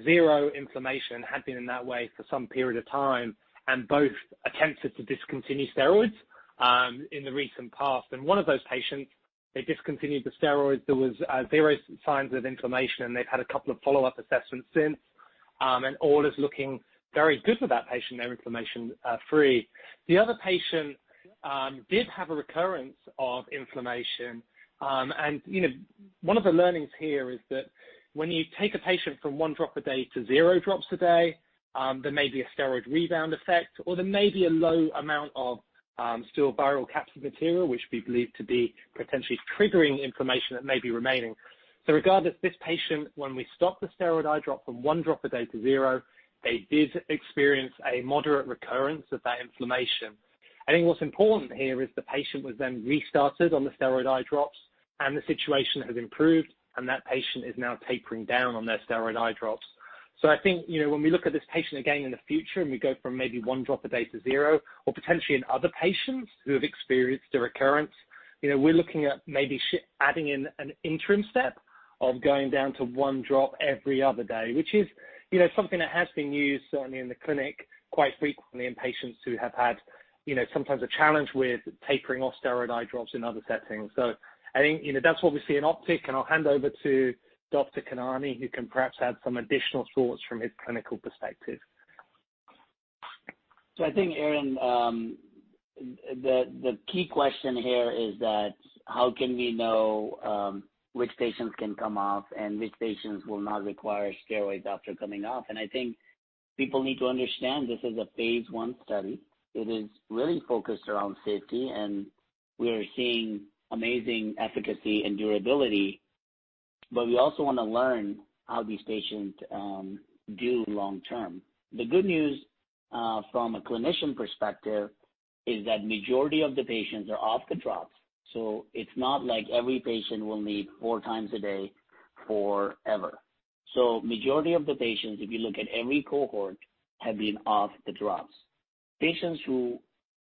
zero inflammation, had been in that way for some period of time, and both attempted to discontinue steroids in the recent past. One of those patients, they discontinued the steroids. There was zero signs of inflammation. They've had a couple of follow-up assessments since, and all is looking very good for that patient. They're inflammation free. The other patient did have a recurrence of inflammation. One of the learnings here is that when you take a patient from one drop a day to zero drops a day. There may be a steroid rebound effect, or there may be a low amount of still viral capsid material, which we believe to be potentially triggering inflammation that may be remaining. Regardless, this patient, when we stop the steroid eye drop from one drop a day to zero, they did experience a moderate recurrence of that inflammation. I think what's important here is the patient was then restarted on the steroid eye drops, and the situation has improved, and that patient is now tapering down on their steroid eye drops. I think when we look at this patient again in the future, and we go from maybe one drop a day to zero or potentially in other patients who have experienced a recurrence, we're looking at maybe adding in an interim step of going down to one drop every other day. Which is something that has been used certainly in the clinic quite frequently in patients who have had sometimes a challenge with tapering off steroid eye drops in other settings. I think that's what we see in OPTIC, and I'll hand over to Dr. Khanani, who can perhaps add some additional thoughts from his clinical perspective. I think, Aaron, the key question here is that how can we know which patients can come off and which patients will not require steroids after coming off? I think people need to understand this is a phase I study. It is really focused around safety, and we are seeing amazing efficacy and durability. We also want to learn how these patients do long term. The good news, from a clinician perspective, is that majority of the patients are off the drops. It's not like every patient will need 4x a day forever. Majority of the patients, if you look at every cohort, have been off the drops. Patients who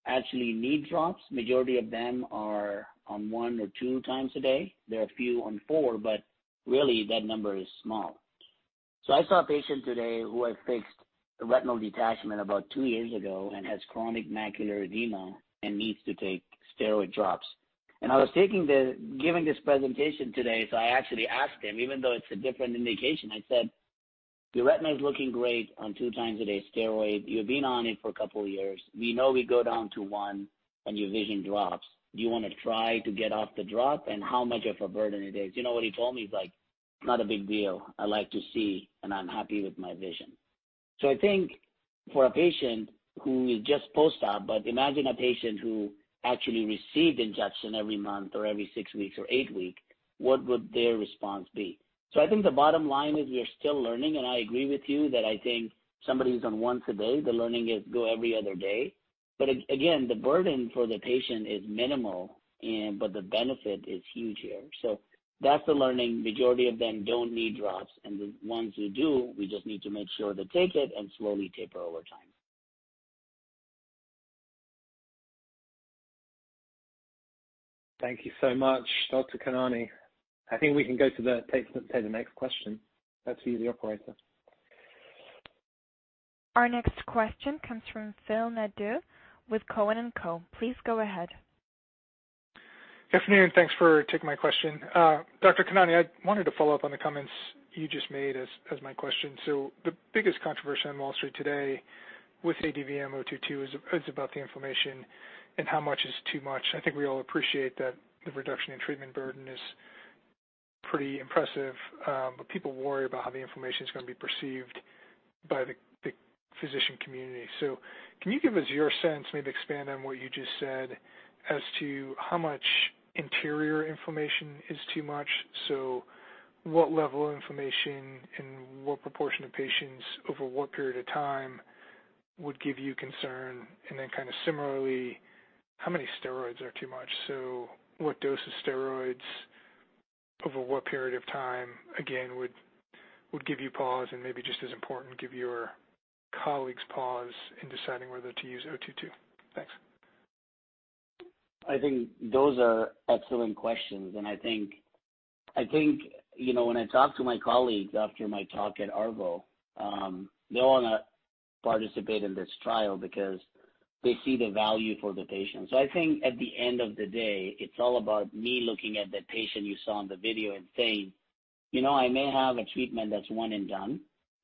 actually need drops, majority of them are on 1x or 2x a day. There are few on four, but really that number is small. I saw a patient today who had fixed retinal detachment about two years ago and has chronic macular edema and needs to take steroid drops. I was giving this presentation today, so I actually asked him, even though it's a different indication, I said, "Your retina is looking great on 2x a day steroid. You've been on it for a couple of years. We know we go down to one and your vision drops. Do you want to try to get off the drop, and how much of a burden it is?" You know what he told me? He's like, "Not a big deal. I like to see, and I'm happy with my vision." I think for a patient who is just post-op, but imagine a patient who actually received injection every month or every six weeks or eight weeks, what would their response be? I think the bottom line is we are still learning, and I agree with you that I think somebody who's on once a day, they're learning is go every other day. Again, the burden for the patient is minimal, but the benefit is huge here. That's the learning. Majority of them don't need drops, and the ones who do, we just need to make sure to take it and slowly taper over time. Thank you so much, Dr. Khanani. I think we can go to the next question. Let's see the operator. Our next question comes from Phil Nadeau with Cowen and Co. Please go ahead. Good afternoon. Thanks for taking my question. Dr. Khanani, I wanted to follow up on the comments you just made as my question. The biggest controversy on Wall Street today with ADVM-022 is about the inflammation and how much is too much. I think we all appreciate that the reduction in treatment burden is pretty impressive. People worry about how the inflammation is going to be perceived by the physician community. Can you give us your sense, maybe expand on what you just said as to how much interior inflammation is too much? What level of inflammation in what proportion of patients over what period of time would give you concern? Kind of similarly, how many steroids are too much? What dose of steroids over what period of time, again, would give you pause and maybe just as important, give your colleagues pause in deciding whether to use 022? Thanks. I think those are excellent questions, and I think when I talk to my colleagues after my talk at ARVO, they want to participate in this trial because they see the value for the patient. I think at the end of the day, it's all about me looking at the patient you saw in the video and saying, "I may have a treatment that's one and done.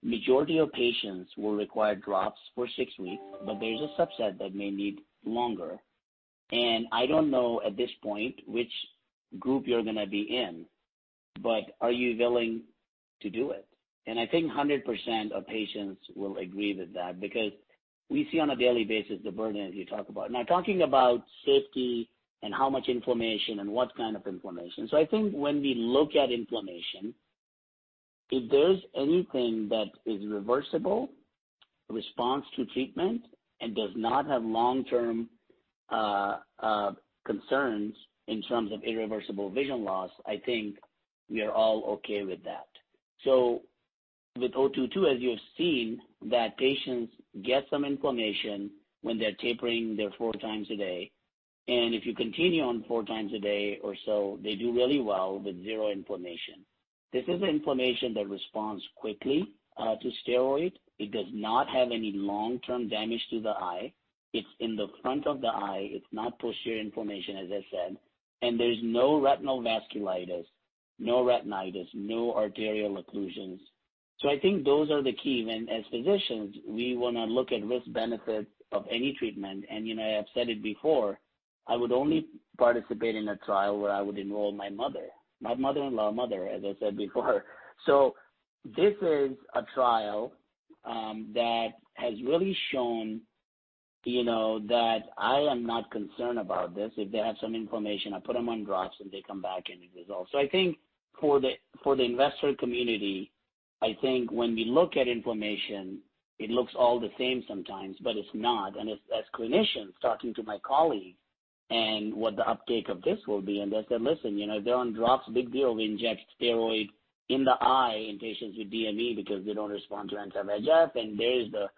Majority of patients will require drops for six weeks, but there's a subset that may need longer. And I don't know at this point which group you're going to be in, but are you willing to do it?" I think 100% of patients will agree with that because we see on a daily basis the burden as you talk about. Now, talking about safety and how much inflammation and what kind of inflammation. I think when we look at inflammation, if there's anything that is reversible response to treatment and does not have long-term concerns in terms of irreversible vision loss, I think we are all okay with that. With 022, as you have seen, that patients get some inflammation when they're tapering their 4x a day, and if you continue on 4x a day or so, they do really well with zero inflammation. This is inflammation that responds quickly to steroid. It does not have any long-term damage to the eye. It's in the front of the eye. It's not posterior inflammation, as I said. There's no retinal vasculitis, no retinitis, no arterial occlusions. I think those are the key. As physicians, we want to look at risk benefits of any treatment. I have said it before I would only participate in a trial where I would enroll my mother. Not mother-in-law, mother, as I said before. This is a trial that has really shown that I am not concerned about this. If they have some inflammation, I put them on drops, and they come back, and it resolves. I think for the investor community, I think when we look at inflammation, it looks all the same sometimes, but it's not. As clinicians talking to my colleagues and what the uptake of this will be, and they'll say, "Listen, they're on drops, big deal. We inject steroids in the eye in patients with DME because they don't respond to anti-VEGF," and there's the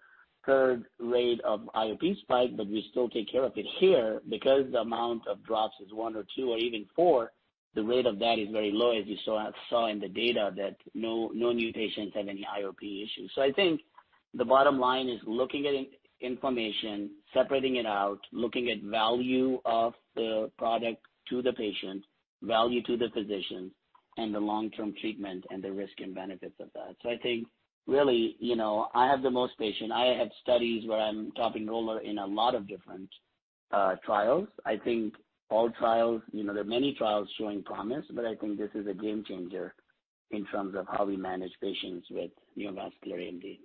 current rate of IOP spike, but we still take care of it here because the amount of drops is one or two or even four. The rate of that is very low, as you saw in the data, that no new patients have any IOP issues. I think the bottom line is looking at inflammation, separating it out, looking at value of the product to the patient, value to the physician, and the long-term treatment and the risk and benefits of that. I think really, I have the most patient. I have studies where I'm top enroller in a lot of different trials. I think all trials, there are many trials showing promise, but I think this is a game changer in terms of how we manage patients with neovascular AMD.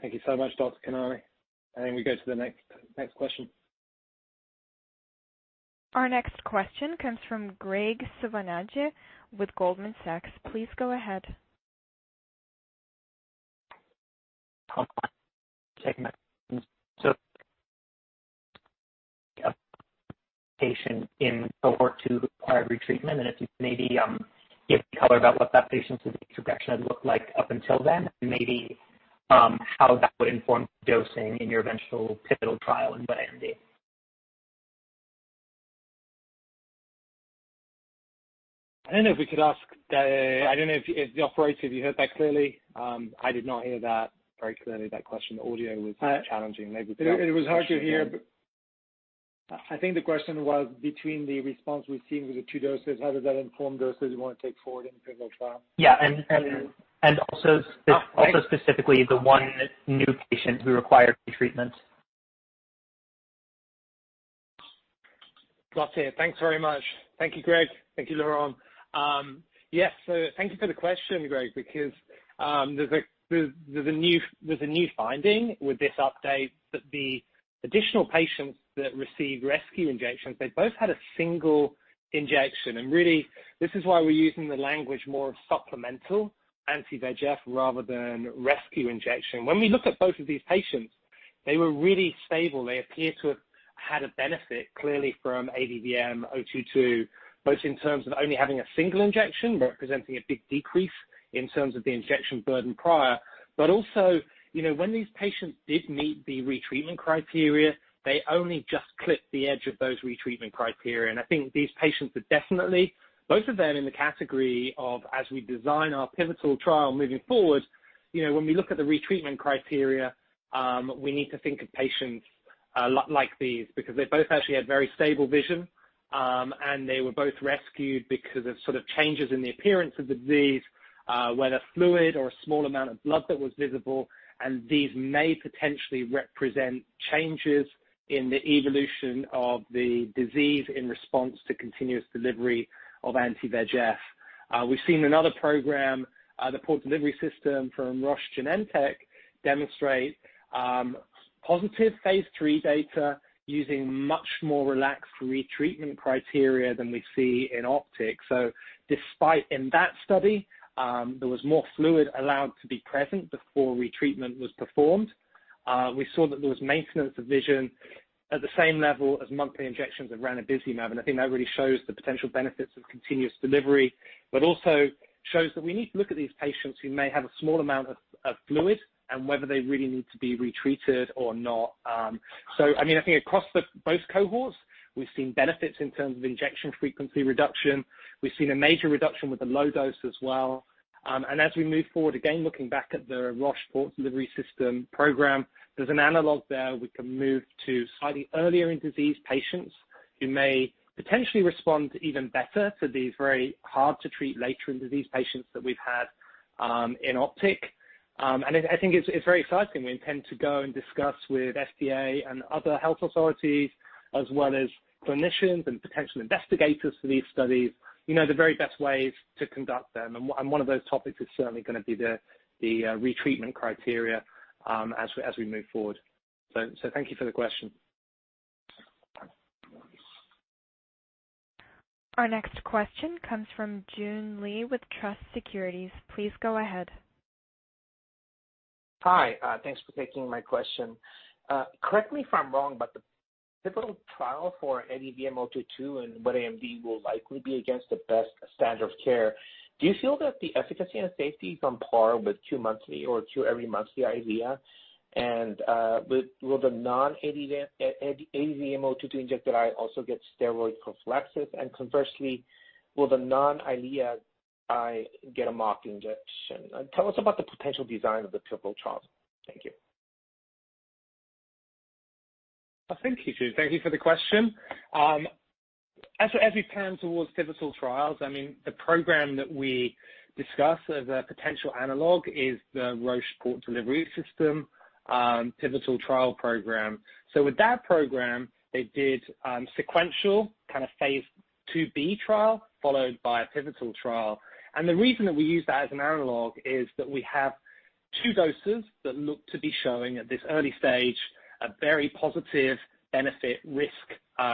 Thank you so much, Dr. Khanani. We go to the next question. Our next question comes from Graig Suvannavejh with Goldman Sachs. Please go ahead. Patient in Cohort 2 who required retreatment? if you could maybe give color about what that patient's injection had looked like up until then, and maybe how that would inform dosing in your eventual pivotal trial in wet AMD. I don't know if we could ask. I don't know if the operator, have you heard that clearly? I did not hear that very clearly, that question. The audio was challenging. Maybe It was hard to hear, but I think the question was between the response we've seen with the two doses, how does that inform doses you want to take forward in the pivotal trial? Yeah. Oh, Graig. Also specifically the one new patient who required retreatment. Got it. Thanks very much. Thank you, Graig. Thank you, Laurent. Yes, thank you for the question, Graig, because there's a new finding with this update that the additional patients that received rescue injections, they both had a single injection. Really, this is why we're using the language more of supplemental anti-VEGF rather than rescue injection. When we look at both of these patients, they were really stable. They appear to have had a benefit, clearly, from ADVM-022, both in terms of only having a single injection, representing a big decrease in terms of the injection burden prior. Also, when these patients did meet the retreatment criteria, they only just clipped the edge of those retreatment criteria. And I think these patients are definitely, both of them, in the category of, as we design our pivotal trial moving forward, when we look at the retreatment criteria, we need to think of patients like these because they both actually had very stable vision. They were both rescued because of sort of changes in the appearance of the disease, whether fluid or a small amount of blood that was visible. These may potentially represent changes in the evolution of the disease in response to continuous delivery of anti-VEGF. We've seen another program, the Port Delivery System from Roche/Genentech, demonstrate positive phase III data using much more relaxed retreatment criteria than we see in OPTIC. Despite in that study, there was more fluid allowed to be present before retreatment was performed. We saw that there was maintenance of vision at the same level as monthly injections of ranibizumab. I think that really shows the potential benefits of continuous delivery, but also shows that we need to look at these patients who may have a small amount of fluid and whether they really need to be retreated or not. I think across both cohorts, we've seen benefits in terms of injection frequency reduction. We've seen a major reduction with the low dose as well. As we move forward, again, looking back at the Roche Port Delivery System program, there's an analog there we can move to slightly earlier in disease patients who may potentially respond even better to these very hard-to-treat later in disease patients that we've had in OPTIC. I think it's very exciting. We intend to go and discuss with FDA and other health authorities, as well as clinicians and potential investigators for these studies, the very best ways to conduct them. One of those topics is certainly going to be the retreatment criteria as we move forward. Thank you for the question. Our next question comes from Joon Lee with Truist Securities. Please go ahead. Hi. Thanks for taking my question. Correct me if I'm wrong, the pivotal trial for ADVM-022 and wet AMD will likely be against the best standard of care. Do you feel that the efficacy and safety is on par with two monthly or two every monthly EYLEA? Will the non-ADVM-022 injected eye also get steroid prophylaxis? Conversely, will the non-EYLEA eye get a mock injection? Tell us about the potential design of the pivotal trial. Thank you. I think you do. Thank you for the question. As we plan towards pivotal trials, the program that we discuss as a potential analog is the Roche Port Delivery System pivotal trial program. With that program, they did sequential phase II-B trial followed by a pivotal trial. The reason that we use that as an analog is that we have two doses that look to be showing at this early stage a very positive benefit-risk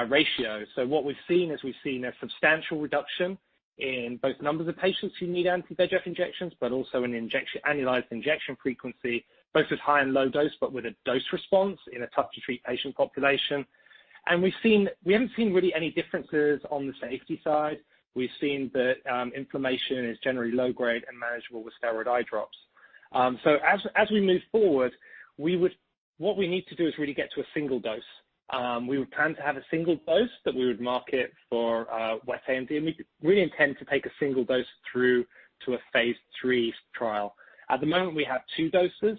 ratio. What we've seen is, we've seen a substantial reduction in both numbers of patients who need anti-VEGF injections, but also in annualized injection frequency, both at high and low dose, but with a dose response in a tough to treat patient population. We haven't seen really any differences on the safety side. We've seen that inflammation is generally low grade and manageable with steroid eye drops. As we move forward, what we need to do is really get to a single dose. We would plan to have a single dose that we would market for wet AMD, and we really intend to take a single dose through to a phase III trial. At the moment, we have two doses,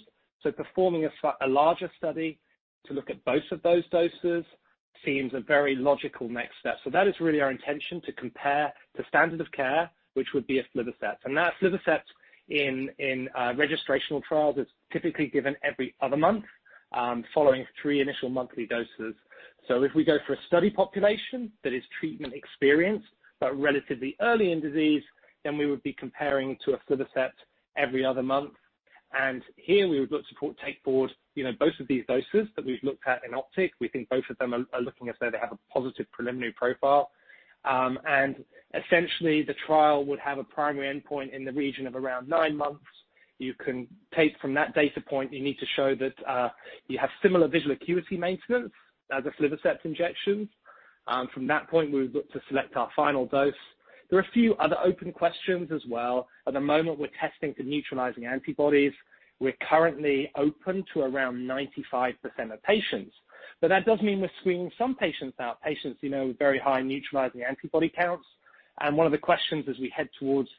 performing a larger study to look at both of those doses seems a very logical next step. That is really our intention, to compare to standard of care, which would be aflibercept. Aflibercept in registrational trials is typically given every other month, following three initial monthly doses. If we go for a study population that is treatment experienced but relatively early in disease, then we would be comparing to aflibercept every other month. Here we would look to take forward both of these doses that we've looked at in OPTIC. We think both of them are looking as though they have a positive preliminary profile. Essentially, the trial would have a primary endpoint in the region of around nine months. You can take from that data point, you need to show that you have similar visual acuity maintenance as aflibercept injections. From that point, we would look to select our final dose. There are a few other open questions as well. At the moment, we're testing for neutralizing antibodies. We're currently open to around 95% of patients. That does mean we're screening some patients out, patients with very high neutralizing antibody counts. One of the questions as we head towards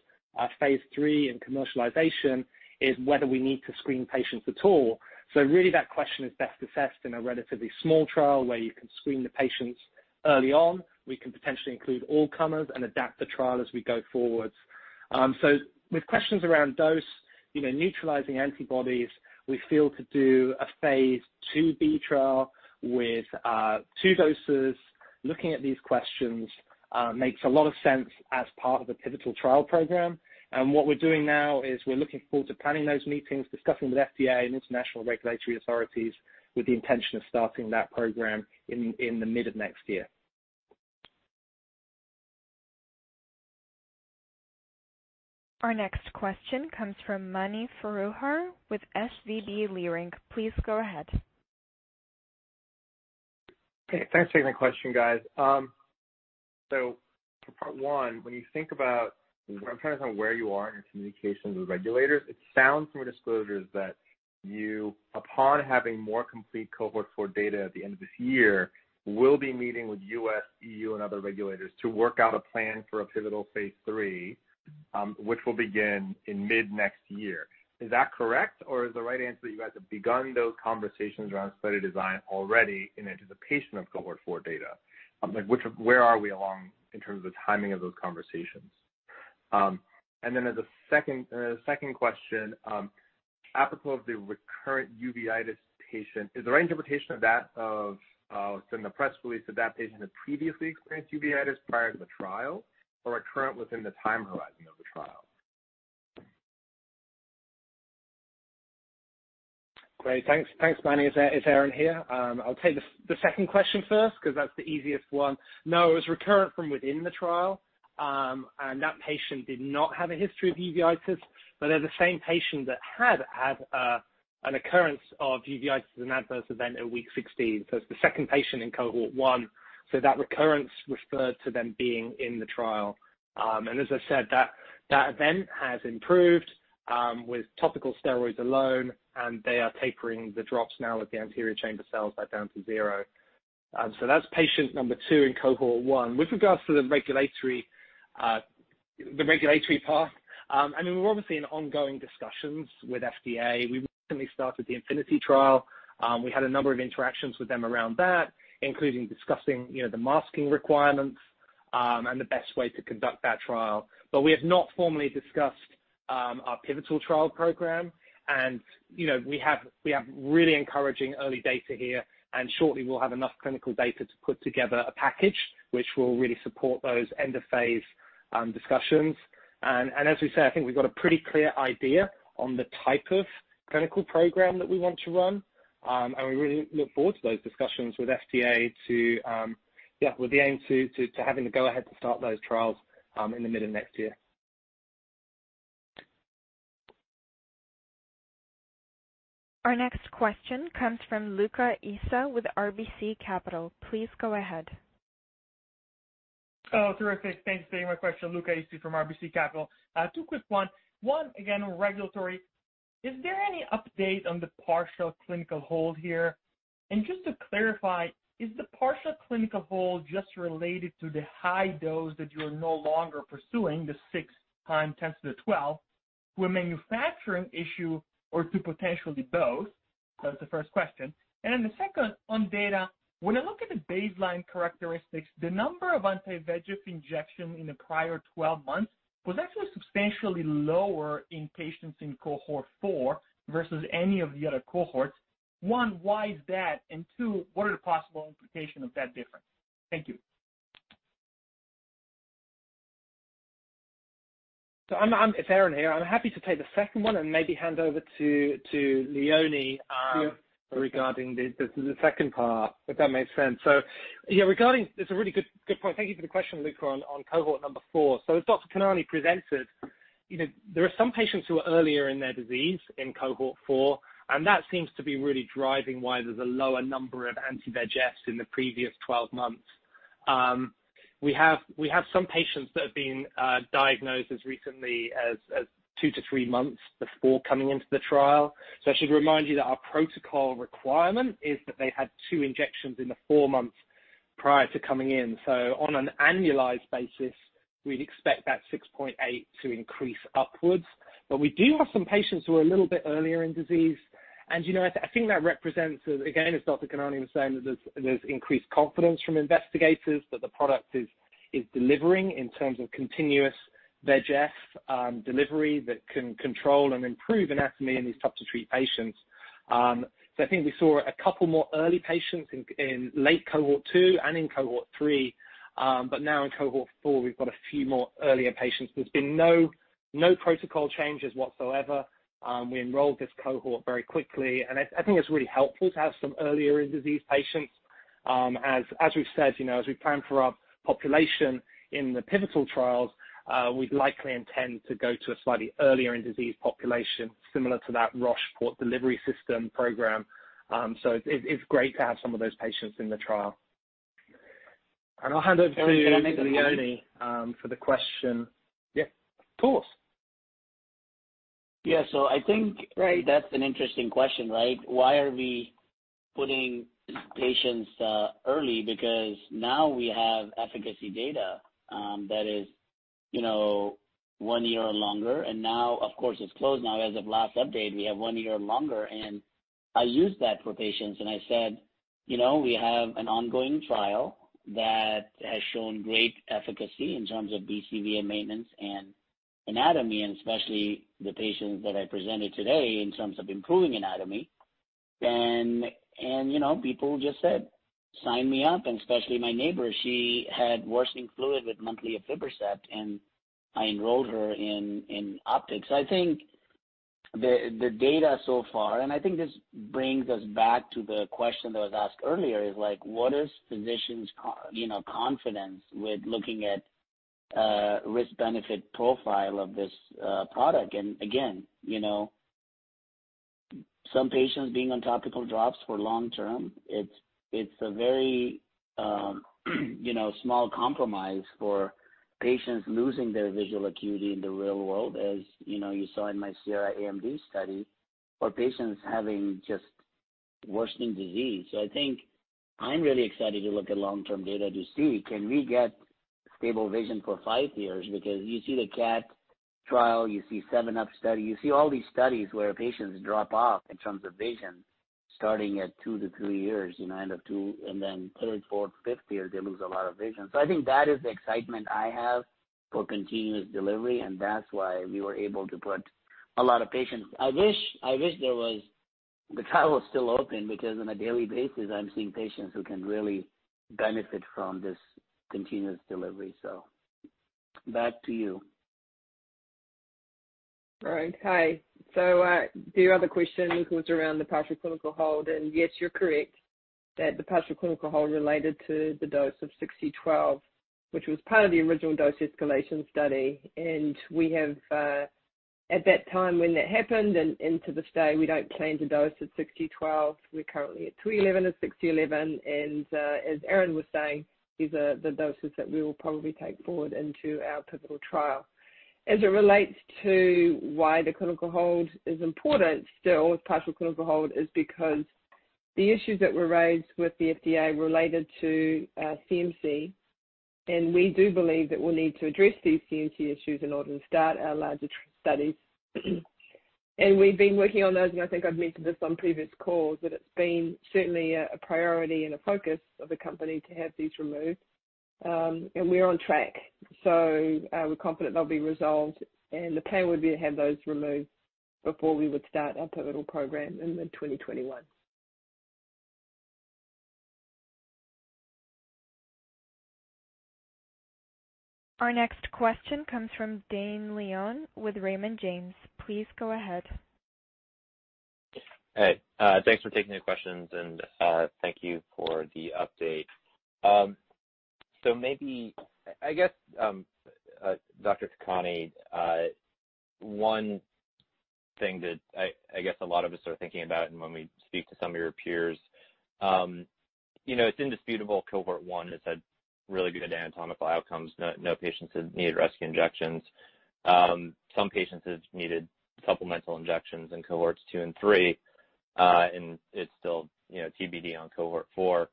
phase III and commercialization is whether we need to screen patients at all. Really that question is best assessed in a relatively small trial where you can screen the patients early on. We can potentially include all comers and adapt the trial as we go forwards. With questions around dose, neutralizing antibodies, we feel to do a phase II-B trial with two doses. Looking at these questions makes a lot of sense as part of the pivotal trial program. What we're doing now is we're looking forward to planning those meetings, discussing with FDA and international regulatory authorities with the intention of starting that program in the mid of next year. Our next question comes from Mani Foroohar with SVB Leerink. Please go ahead. Okay. Thanks for taking the question, guys. For part one, when you think about, I'm trying to find where you are in your communications with regulators, it sounds from your disclosures that you, upon having more complete Cohort 4 data at the end of this year, will be meeting with U.S., EU, and other regulators to work out a plan for a pivotal phase III, which will begin in mid next year. Is that correct? Is the right answer that you guys have begun those conversations around study design already in anticipation of Cohort 4 data? Where are we along in terms of the timing of those conversations? And as a second question, apropos of the recurrent uveitis patient, is the right interpretation of that from the press release that that patient had previously experienced uveitis prior to the trial or recurrent within the time horizon of the trial? Great. Thanks, Mani. It's Aaron here. I'll take the second question first because that's the easiest one. No, it was recurrent from within the trial. That patient did not have a history of uveitis, but they're the same patient that had had an occurrence of uveitis as an adverse event at week 16. It's the second patient in Cohort 1. That recurrence referred to them being in the trial. As I said, that event has improved with topical steroids alone, and they are tapering the drops now that the anterior chamber cells are down to zero. That's patient number two in Cohort 1. With regards to the regulatory path, we're obviously in ongoing discussions with FDA. We recently started the INFINITY trial. We had a number of interactions with them around that, including discussing the masking requirements, and the best way to conduct that trial. We have not formally discussed our pivotal trial program. We have really encouraging early data here, and shortly we'll have enough clinical data to put together a package which will really support those end-of-phase discussions. As we say, I think we've got a pretty clear idea on the type of clinical program that we want to run. We really look forward to those discussions with FDA to, with the aim to having the go ahead to start those trials in the middle of next year. Our next question comes from Luca Issi with RBC Capital. Please go ahead. Oh, terrific. Thanks for taking my question. Luca Issi from RBC Capital. Two quick ones. One, again on regulatory. Is there any update on the partial clinical hold here? Just to clarify, is the partial clinical hold just related to the high dose that you're no longer pursuing, the 6E12? to a manufacturing issue or to potentially both? That's the first question. The second, on data, when I look at the baseline characteristics, the number of anti-VEGF injections in the prior 12 months was actually substantially lower in patients in Cohort 4 versus any of the other cohorts. One, why is that? and two, what are the possible implications of that difference? Thank you. It's Aaron here. I'm happy to take the second one and maybe hand over to Leone. Sure Regarding the second part, if that makes sense. Yeah, it's a really good point. Thank you for the question, Luca, on Cohort number 4. As Dr. Khanani presented, there are some patients who are earlier in their disease in Cohort 4, and that seems to be really driving why there's a lower number of anti-VEGF in the previous 12 months. We have some patients that have been diagnosed as recently as 2-3 months before coming into the trial. I should remind you that our protocol requirement is that they had two injections in the four months prior to coming in. On an annualized basis, we'd expect that 6.8 to increase upwards. But we do have some patients who are a little bit earlier in disease, and I think that represents, again, as Dr. Khanani was saying, that there's increased confidence from investigators that the product is delivering in terms of continuous VEGF delivery that can control and improve anatomy in these tough-to-treat patients. I think we saw a couple more early patients in late Cohort 2 and in Cohort 3. Now in Cohort 4, we've got a few more earlier patients. There's been no protocol changes whatsoever. We enrolled this cohort very quickly, and I think it's really helpful to have some earlier-in-disease patients. As we've said, as we plan for our population in the pivotal trials, we likely intend to go to a slightly earlier-in-disease population, similar to that Roche Port Delivery System program. It's great to have some of those patients in the trial. I'll hand over to Leone for the question. Yeah, of course. Yeah. I think that's an interesting question, right? Why are we putting patients early? Now we have efficacy data that is one year or longer, and now, of course, it's closed now. As of last update, we have one year or longer, and I used that for patients, and I said, "We have an ongoing trial that has shown great efficacy in terms of BCVA and maintenance and anatomy," and especially the patients that I presented today in terms of improving anatomy. People just said, "Sign me up." Especially my neighbor, she had worsening fluid with monthly aflibercept, and I enrolled her in OPTIC. I think the data so far, and I think this brings us back to the question that was asked earlier, is what is physicians' confidence with looking at risk-benefit profile of this product? And Again, you know some patients being on topical drops for long-term, it's a very small compromise for patients losing their visual acuity in the real world, as you saw in my SIERRA-AMD study, for patients having just worsening disease. I think I'm really excited to look at long-term data to see, can we get stable vision for five years? Because you see the CATT trial, you see SEVEN-UP study, you see all these studies where patients drop off in terms of vision starting at 2-3 years, end of two, and then third, fourth, fifth year, they lose a lot of vision. I think that is the excitement I have for continuous delivery. That is why we were able to put a lot of patients. I wish the trial was still open, because on a daily basis, I'm seeing patients who can really benefit from this continuous delivery. Back to you. Right. Hi. The other question was around the partial clinical hold, and yes, you're correct that the partial clinical hold related to the dose of 6E12, which was part of the original dose escalation study. At that time when that happened, and to this day, we don't plan to dose at 6E12. We're currently at 2E11 and 6E11. As Aaron was saying, these are the doses that we will probably take forward into our pivotal trial. As it relates to why the clinical hold is important still, partial clinical hold, is because the issues that were raised with the FDA related to CMC, and we do believe that we'll need to address these CMC issues in order to start our larger studies. We've been working on those, and I think I've mentioned this on previous calls, that it's been certainly a priority and a focus of the company to have these removed. We're on track. We're confident they'll be resolved, and the plan would be to have those removed before we would start our pivotal program in mid-2021. Our next question comes from Dane Leone with Raymond James. Please go ahead. Hey, thanks for taking the questions, and thank you for the update. I guess, Dr. Khanani, one thing that I guess a lot of us are thinking about, and when we speak to some of your peers, it's indisputable Cohort 1 has had really good anatomical outcomes. No patients have needed rescue injections. Some patients have needed supplemental injections in Cohorts 2 and 3, and it's still TBD on Cohort 4.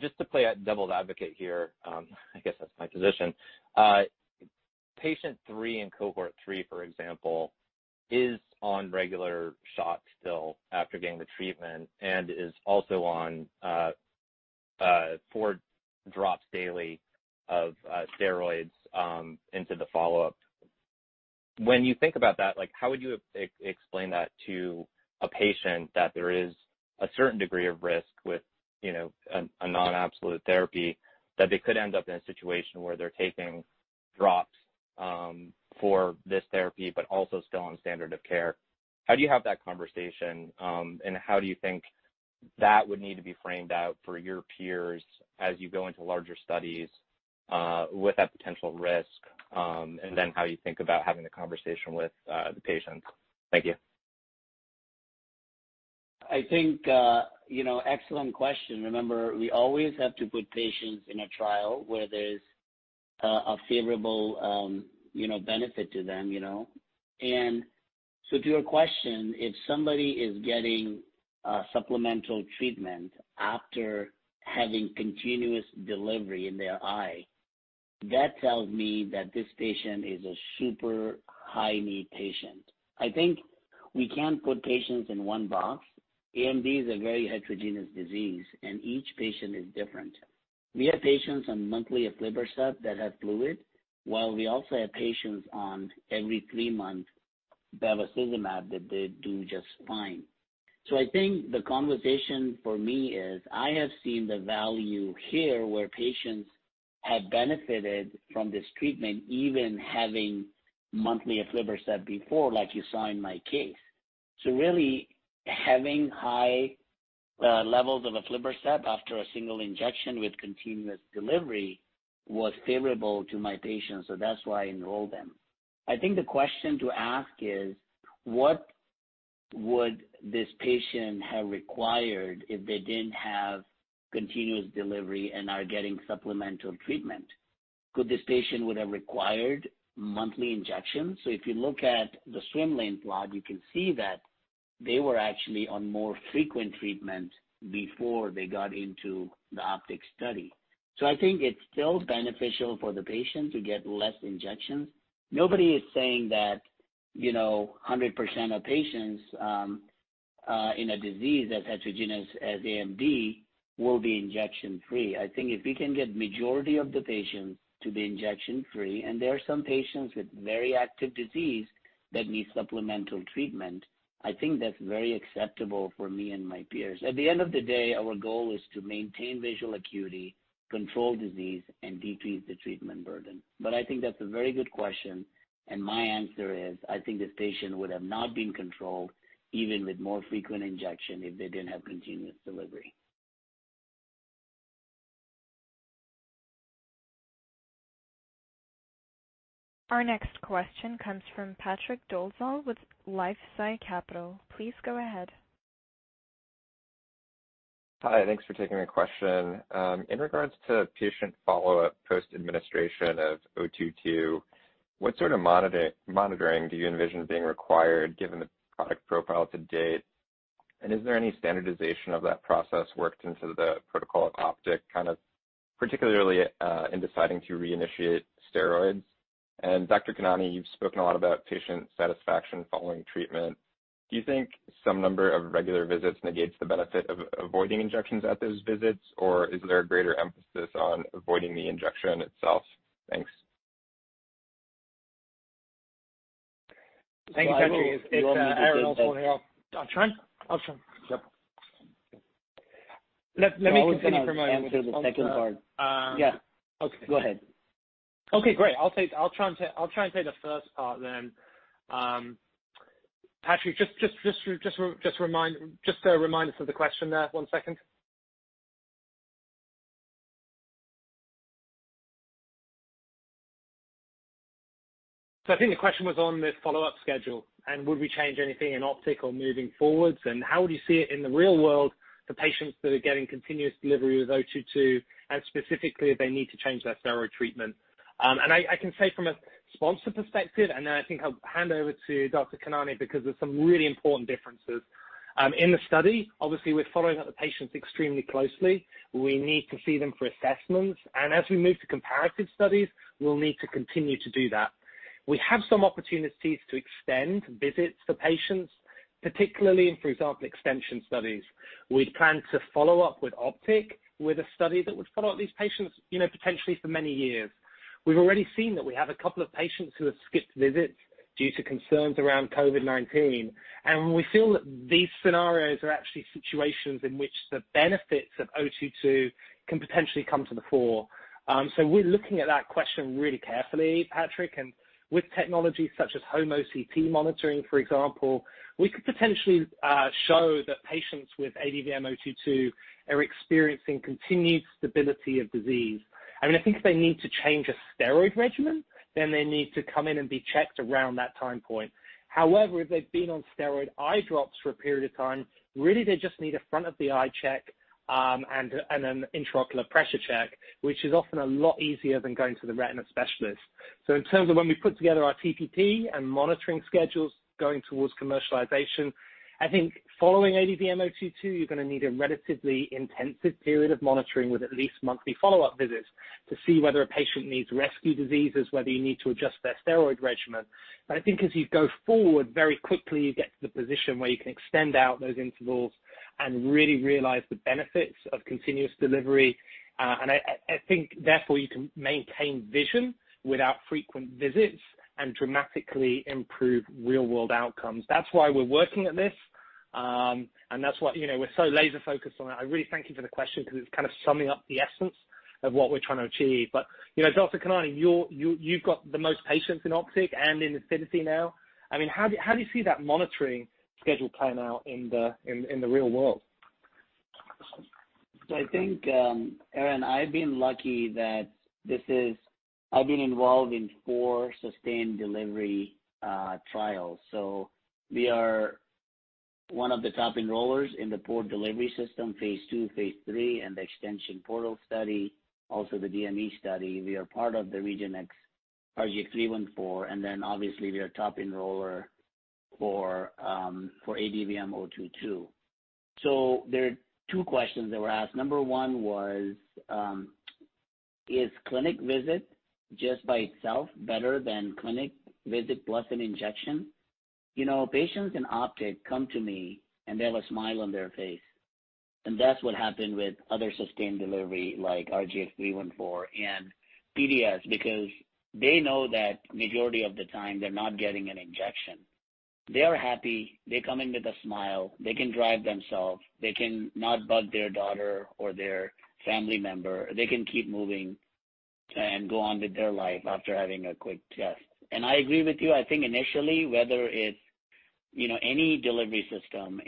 Just to play devil's advocate here, I guess that's my position. Patient three in Cohort 3, for example, is on regular shots still after getting the treatment and is also on four drops daily of steroids into the follow-up. When you think about that, how would you explain that to a patient, that there is a certain degree of risk with a non-absolute therapy, that they could end up in a situation where they're taking drops for this therapy, but also still on standard of care? How do you have that conversation, and how do you think that would need to be framed out for your peers as you go into larger studies with that potential risk, and then how you think about having the conversation with the patients? Thank you. I think, excellent question. Remember, we always have to put patients in a trial where there's a favorable benefit to them. To your question, if somebody is getting supplemental treatment after having continuous delivery in their eye, that tells me that this patient is a super high-need patient. I think we can't put patients in one box. AMD is a very heterogeneous disease, and each patient is different. We have patients on monthly aflibercept that have fluid, while we also have patients on every three-month bevacizumab that they do just fine. I think the conversation for me is, I have seen the value here where patients have benefited from this treatment, even having monthly aflibercept before, like you saw in my case. Really, having high levels of aflibercept after a single injection with continuous delivery was favorable to my patients, so that's why I enrolled them. I think the question to ask is, what would this patient have required if they didn't have continuous delivery and are getting supplemental treatment? Could this patient would have required monthly injections? If you look at the swim lane plot, you can see that they were actually on more frequent treatment before they got into the OPTIC study. I think it's still beneficial for the patient to get less injections. Nobody is saying that 100% of patients in a disease as heterogeneous as AMD will be injection-free. I think if we can get majority of the patients to be injection-free, and there are some patients with very active disease that need supplemental treatment, I think that's very acceptable for me and my peers. At the end of the day, our goal is to maintain visual acuity, control disease, and decrease the treatment burden. But I think that's a very good question, and my answer is, I think this patient would have not been controlled, even with more frequent injection, if they didn't have continuous delivery. Our next question comes from Patrick Dolezal with LifeSci Capital. Please go ahead. Hi, thanks for taking my question. In regards to patient follow-up post administration of 022, what sort of monitoring do you envision being required given the product profile to date, and is there any standardization of that process worked into the protocol of OPTIC, particularly in deciding to reinitiate steroids? Dr. Khanani, you've spoken a lot about patient satisfaction following treatment. Do you think some number of regular visits negates the benefit of avoiding injections at those visits, or is there a greater emphasis on avoiding the injection itself? Thanks. Thank you, Patrick. (crosstalk) Thank you. It's Aaron also on here. Oh, Trent? Oh, sure. (crosstalk) Yep. (crosstalk) Let me continue for. (crosstalk) I wouldn't answer the second part. Okay. Go ahead. Okay, great. I'll try and take the first part. Patrick, just remind us of the question there, one second. I think the question was on the follow-up schedule, would we change anything in OPTIC or moving forwards, how would you see it in the real world for patients that are getting continuous delivery with 022, and specifically if they need to change their steroid treatment. I can say from a sponsor perspective, I think I'll hand over to Dr. Khanani because there's some really important differences. In the study, obviously, we're following up the patients extremely closely. We need to see them for assessments, as we move to comparative studies, we'll need to continue to do that. We have some opportunities to extend visits for patients, particularly in, for example, extension studies. We plan to follow up with OPTIC with a study that would follow up these patients potentially for many years. We've already seen that we have a couple of patients who have skipped visits due to concerns around COVID-19. We feel that these scenarios are actually situations in which the benefits of 022 can potentially come to the fore. We're looking at that question really carefully, Patrick. With technology such as home OCT monitoring, for example, we could potentially show that patients with ADVM-022 are experiencing continued stability of disease. I think if they need to change a steroid regimen, they need to come in and be checked around that time point. However if they've been on steroid eye drops for a period of time, really, they just need a front of the eye check, and an intraocular pressure check, which is often a lot easier than going to the retina specialist. In terms of when we put together our TPP and monitoring schedules going towards commercialization, I think following ADVM-022, you're going to need a relatively intensive period of monitoring with at least monthly follow-up visits to see whether a patient needs rescue diseases, whether you need to adjust their steroid regimen. I think as you go forward, very quickly you get to the position where you can extend out those intervals and really realize the benefits of continuous delivery. I think, therefore, you can maintain vision without frequent visits and dramatically improve real-world outcomes. That's why we're working at this. That's why we're so laser-focused on it. I really thank you for the question because it's summing up the essence of what we're trying to achieve. Dr. Khanani, you've got the most patients in OPTIC and in INFINITY now. How do you see that monitoring schedule playing out in the real world? I think, Aaron, I've been lucky that I've been involved in four sustained delivery trials. We are one of the top enrollers in the Port Delivery System, phase II, phase III, and the extension PORTAL study, also the DME study. We are part of the REGENXBIO, RGX-314, and then obviously we are top enroller for ADVM-022. There are two questions that were asked. Number one was, is clinic visit just by itself better than clinic visit plus an injection? Patients in OPTIC come to me, and they have a smile on their face. That's what happened with other sustained delivery like RGX-314 and PDS, because they know that majority of the time, they're not getting an injection. They are happy. They come in with a smile. They can drive themselves. They can not bug their daughter or their family member. They can keep moving and go on with their life after having a quick test. I agree with you. I think initially, whether it's any delivery system,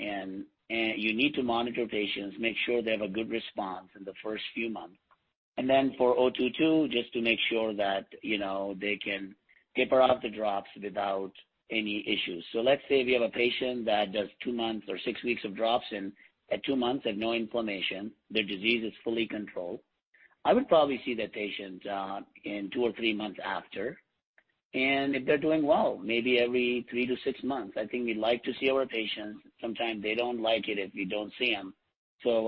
you need to monitor patients, make sure they have a good response in the first few months. For 022, just to make sure that they can taper off the drops without any issues. Let's say we have a patient that does two months or six weeks of drops, and at two months, they have no inflammation. Their disease is fully controlled. I would probably see that patient in two or three months after. If they're doing well, maybe every 3-6 months. I think we like to see our patients. Sometimes they don't like it if you don't see them.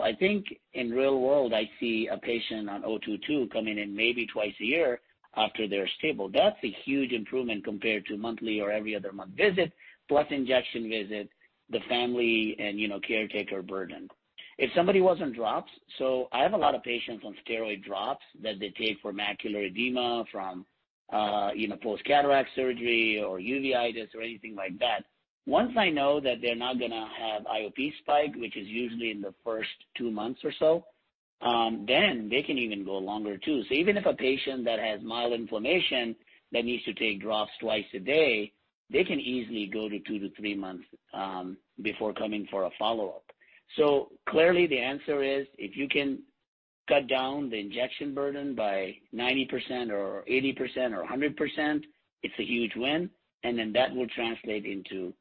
I think in real world, I see a patient on 022 coming in maybe twice a year after they're stable. That's a huge improvement compared to monthly or every other month visit, plus injection visit, the family and caretaker burden. If somebody was on drops, so I have a lot of patients on steroid drops that they take for macular edema from post-cataract surgery or uveitis or anything like that. Once I know that they're not going to have IOP spike, which is usually in the first two months or so, then they can even go longer, too. Even if a patient that has mild inflammation that needs to take drops twice a day, they can easily go to 2-3 months before coming for a follow-up. Clearly, the answer is if you can cut down the injection burden by 90% or 80% or 100%, it's a huge win, and then that will translate into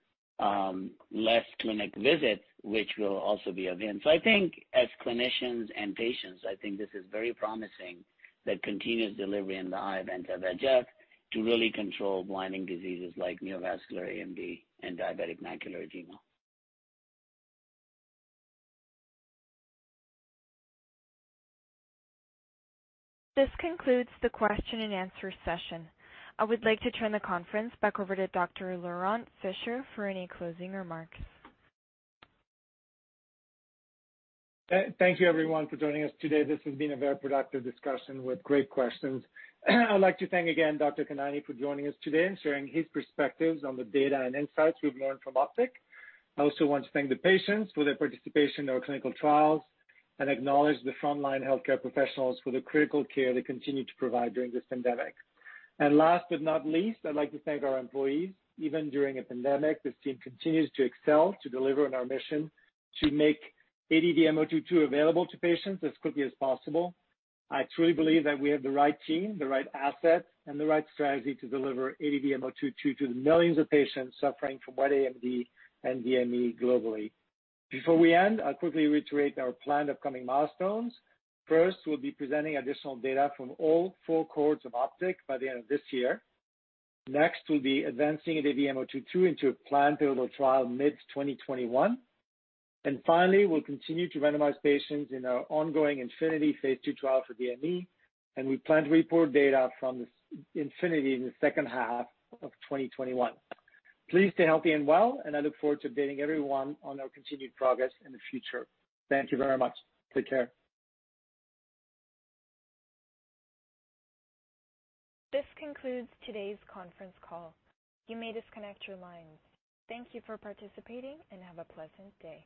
less clinic visit, which will also be a win. I think as clinicians and patients, I think this is very promising that continuous delivery in the eye of anti-VEGF to really control blinding diseases like neovascular AMD and diabetic macular edema. This concludes the question and answer session. I would like to turn the conference back over to Dr. Laurent Fischer for any closing remarks. Thank you, everyone, for joining us today. This has been a very productive discussion with great questions. I'd like to thank again Dr. Khanani for joining us today and sharing his perspectives on the data and insights we've learned from OPTIC. I also want to thank the patients for their participation in our clinical trials and acknowledge the frontline healthcare professionals for the critical care they continue to provide during this pandemic. Last but not least, I'd like to thank our employees. Even during a pandemic, this team continues to excel, to deliver on our mission to make ADVM-022 available to patients as quickly as possible. I truly believe that we have the right team, the right asset, and the right strategy to deliver ADVM-022 to the millions of patients suffering from wet AMD and DME globally. Before we end, I'll quickly reiterate our planned upcoming milestones. First we will be presenting additional data from all four cohorts of OPTIC by the end of this year. We will be advancing ADVM-022 into a planned pivotal trial mid-2021. Finally, we will continue to randomize patients in our ongoing INFINITY phase II trial for DME, and we plan to report data from INFINITY in the second half of 2021. Please stay healthy and well, and I look forward to updating everyone on our continued progress in the future. Thank you very much. Take care. This concludes today's conference call. You may disconnect your lines. Thank you for participating, and have a pleasant day.